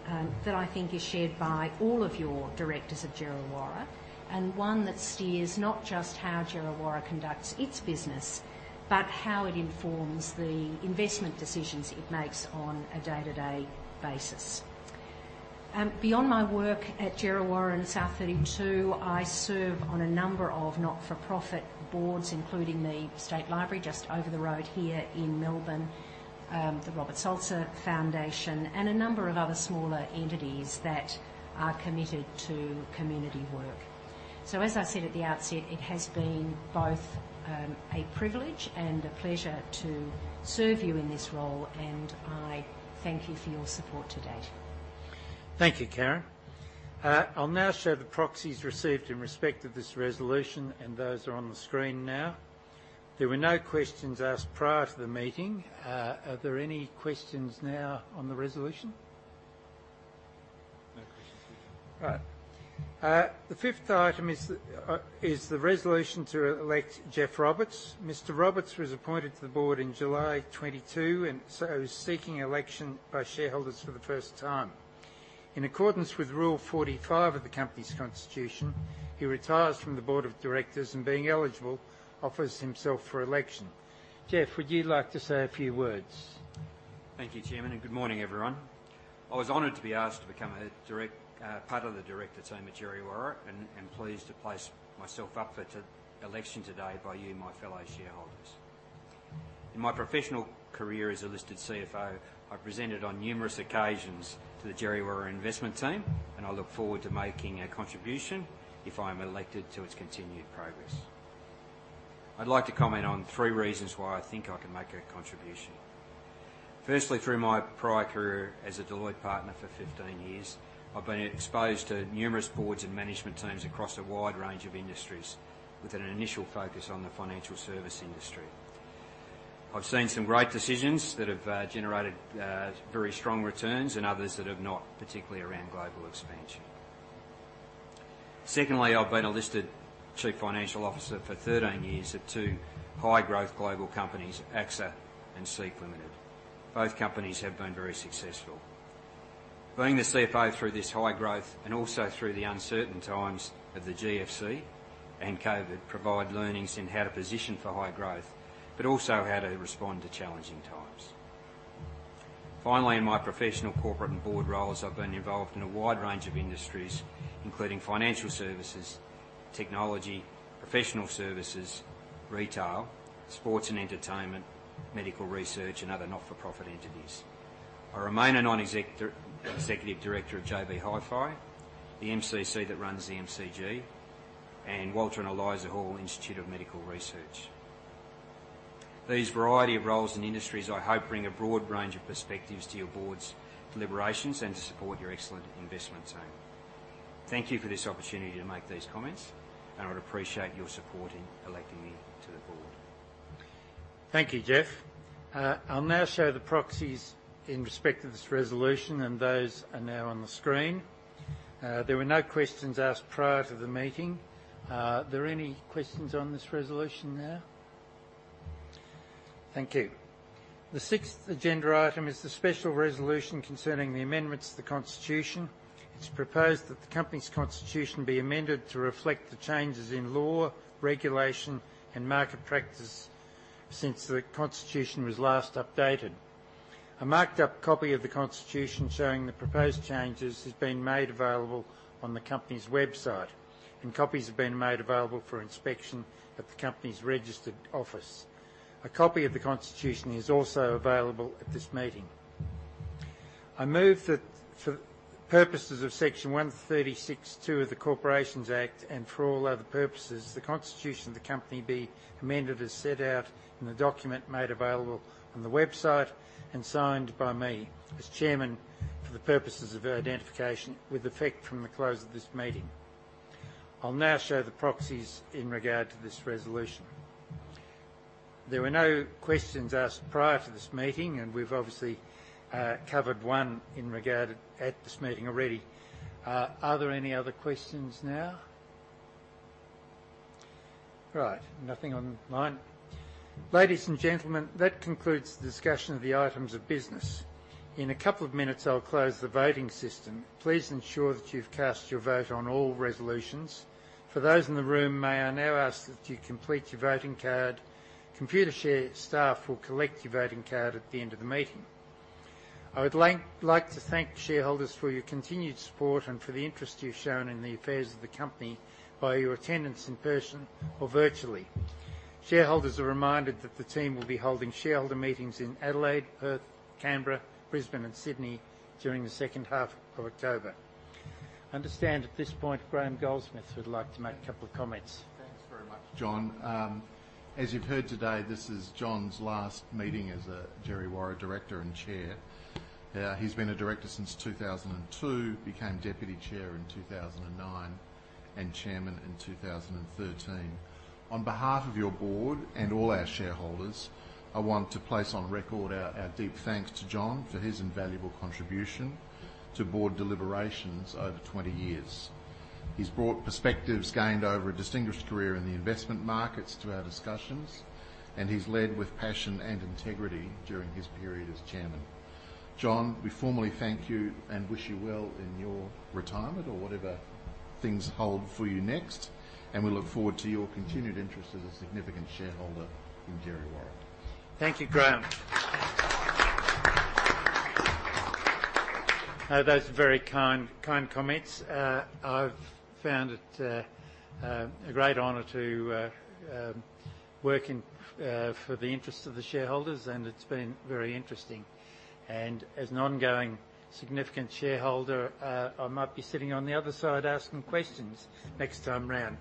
that I think is shared by all of your directors at Djerriwarrh and one that steers not just how Djerriwarrh conducts its business, but how it informs the investment decisions it makes on a day-to-day basis. Beyond my work at Djerriwarrh and South32, I serve on a number of not-for-profit boards, including the State Library Victoria just over the road here in Melbourne, the Robert Salzer Foundation, and a number of other smaller entities that are committed to community work. As I said at the outset, it has been both a privilege and a pleasure to serve you in this role, and I thank you for your support to date. Thank you, Karen. I'll now show the proxies received in respect of this resolution, and those are on the screen now. There were no questions asked prior to the meeting. Are there any questions now on the resolution? No questions. All right. The fifth item is the resolution to elect Geoffrey Roberts. Mr. Roberts was appointed to the board in July 2022, and so is seeking election by shareholders for the first time. In accordance with Rule 45 of the company's constitution, he retires from the board of directors and, being eligible, offers himself for election. Geoff, would you like to say a few words? Thank you, Chairman, and good morning, everyone. I was honored to be asked to become part of the director team at Djerriwarrh, and pleased to put myself up for re-election today by you, my fellow shareholders. In my professional career as a listed CFO, I presented on numerous occasions to the Djerriwarrh investment team, and I look forward to making a contribution, if I am elected, to its continued progress. I'd like to comment on three reasons why I think I can make a contribution. Firstly, through my prior career as a Deloitte partner for 15 years, I've been exposed to numerous boards and management teams across a wide range of industries with an initial focus on the financial services industry. I've seen some great decisions that have generated very strong returns and others that have not, particularly around global expansion. Secondly, I've been a listed chief financial officer for 13 years at two high-growth global companies, AXA and SEEK Limited. Both companies have been very successful. Being the CFO through this high growth and also through the uncertain times of the GFC and COVID provide learnings in how to position for high growth, but also how to respond to challenging times. Finally, in my professional, corporate, and board roles, I've been involved in a wide range of industries, including financial services, technology, professional services, retail, sports and entertainment, medical research, and other not-for-profit entities. I remain a non-executive director of JB Hi-Fi, the MCC that runs the MCG, and Walter and Eliza Hall Institute of Medical Research. This variety of roles and industries I hope bring a broad range of perspectives to your board's deliberations and to support your excellent investment team. Thank you for this opportunity to make these comments, and I would appreciate your support in electing me to the board. Thank you, Geoff. I'll now show the proxies in respect of this resolution, and those are now on the screen. There were no questions asked prior to the meeting. Are there any questions on this resolution now? Thank you. The sixth agenda item is the special resolution concerning the amendments to the constitution. It's proposed that the company's constitution be amended to reflect the changes in law, regulation, and market practice since the constitution was last updated. A marked-up copy of the constitution showing the proposed changes has been made available on the company's website, and copies have been made available for inspection at the company's registered office. A copy of the constitution is also available at this meeting. I move that for purposes of Section 136(2) of the Corporations Act and for all other purposes, the constitution of the company be amended as set out in the document made available on the website and signed by me as chairman for the purposes of identification with effect from the close of this meeting. I'll now show the proxies in regard to this resolution. There were no questions asked prior to this meeting, and we've obviously covered one in regard to this meeting already. Are there any other questions now? All right. Nothing online. Ladies and gentlemen, that concludes the discussion of the items of business. In a couple of minutes, I'll close the voting system. Please ensure that you've cast your vote on all resolutions. For those in the room, may I now ask that you complete your voting card. Computershare staff will collect your voting card at the end of the meeting. I would like to thank shareholders for your continued support and for the interest you've shown in the affairs of the company by your attendance in person or virtually. Shareholders are reminded that the team will be holding shareholder meetings in Adelaide, Perth, Canberra, Brisbane, and Sydney during the second half of October. I understand at this point Graham Goldsmith would like to make a couple of comments. Thanks very much, John. As you've heard today, this is John's last meeting as a Djerriwarrh director and Chair. He's been a director since 2002, became Deputy Chair in 2009, and Chairman in 2013. On behalf of your board and all our shareholders, I want to place on record our deep thanks to John for his invaluable contribution to board deliberations over 20 years. He's brought perspectives gained over a distinguished career in the investment markets to our discussions, and he's led with passion and integrity during his period as Chairman. John, we formally thank you and wish you well in your retirement or whatever things hold for you next, and we look forward to your continued interest as a significant shareholder in Djerriwarrh. Thank you, Graham. Those are very kind comments. I've found it a great honor to working for the interest of the shareholders, and it's been very interesting. As an ongoing significant shareholder, I might be sitting on the other side asking questions next time round.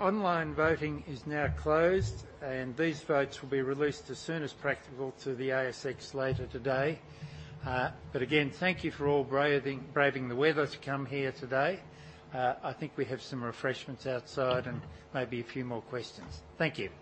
Online voting is now closed, and these votes will be released as soon as practical to the ASX later today. But again, thank you for all braving the weather to come here today. I think we have some refreshments outside and maybe a few more questions. Thank you.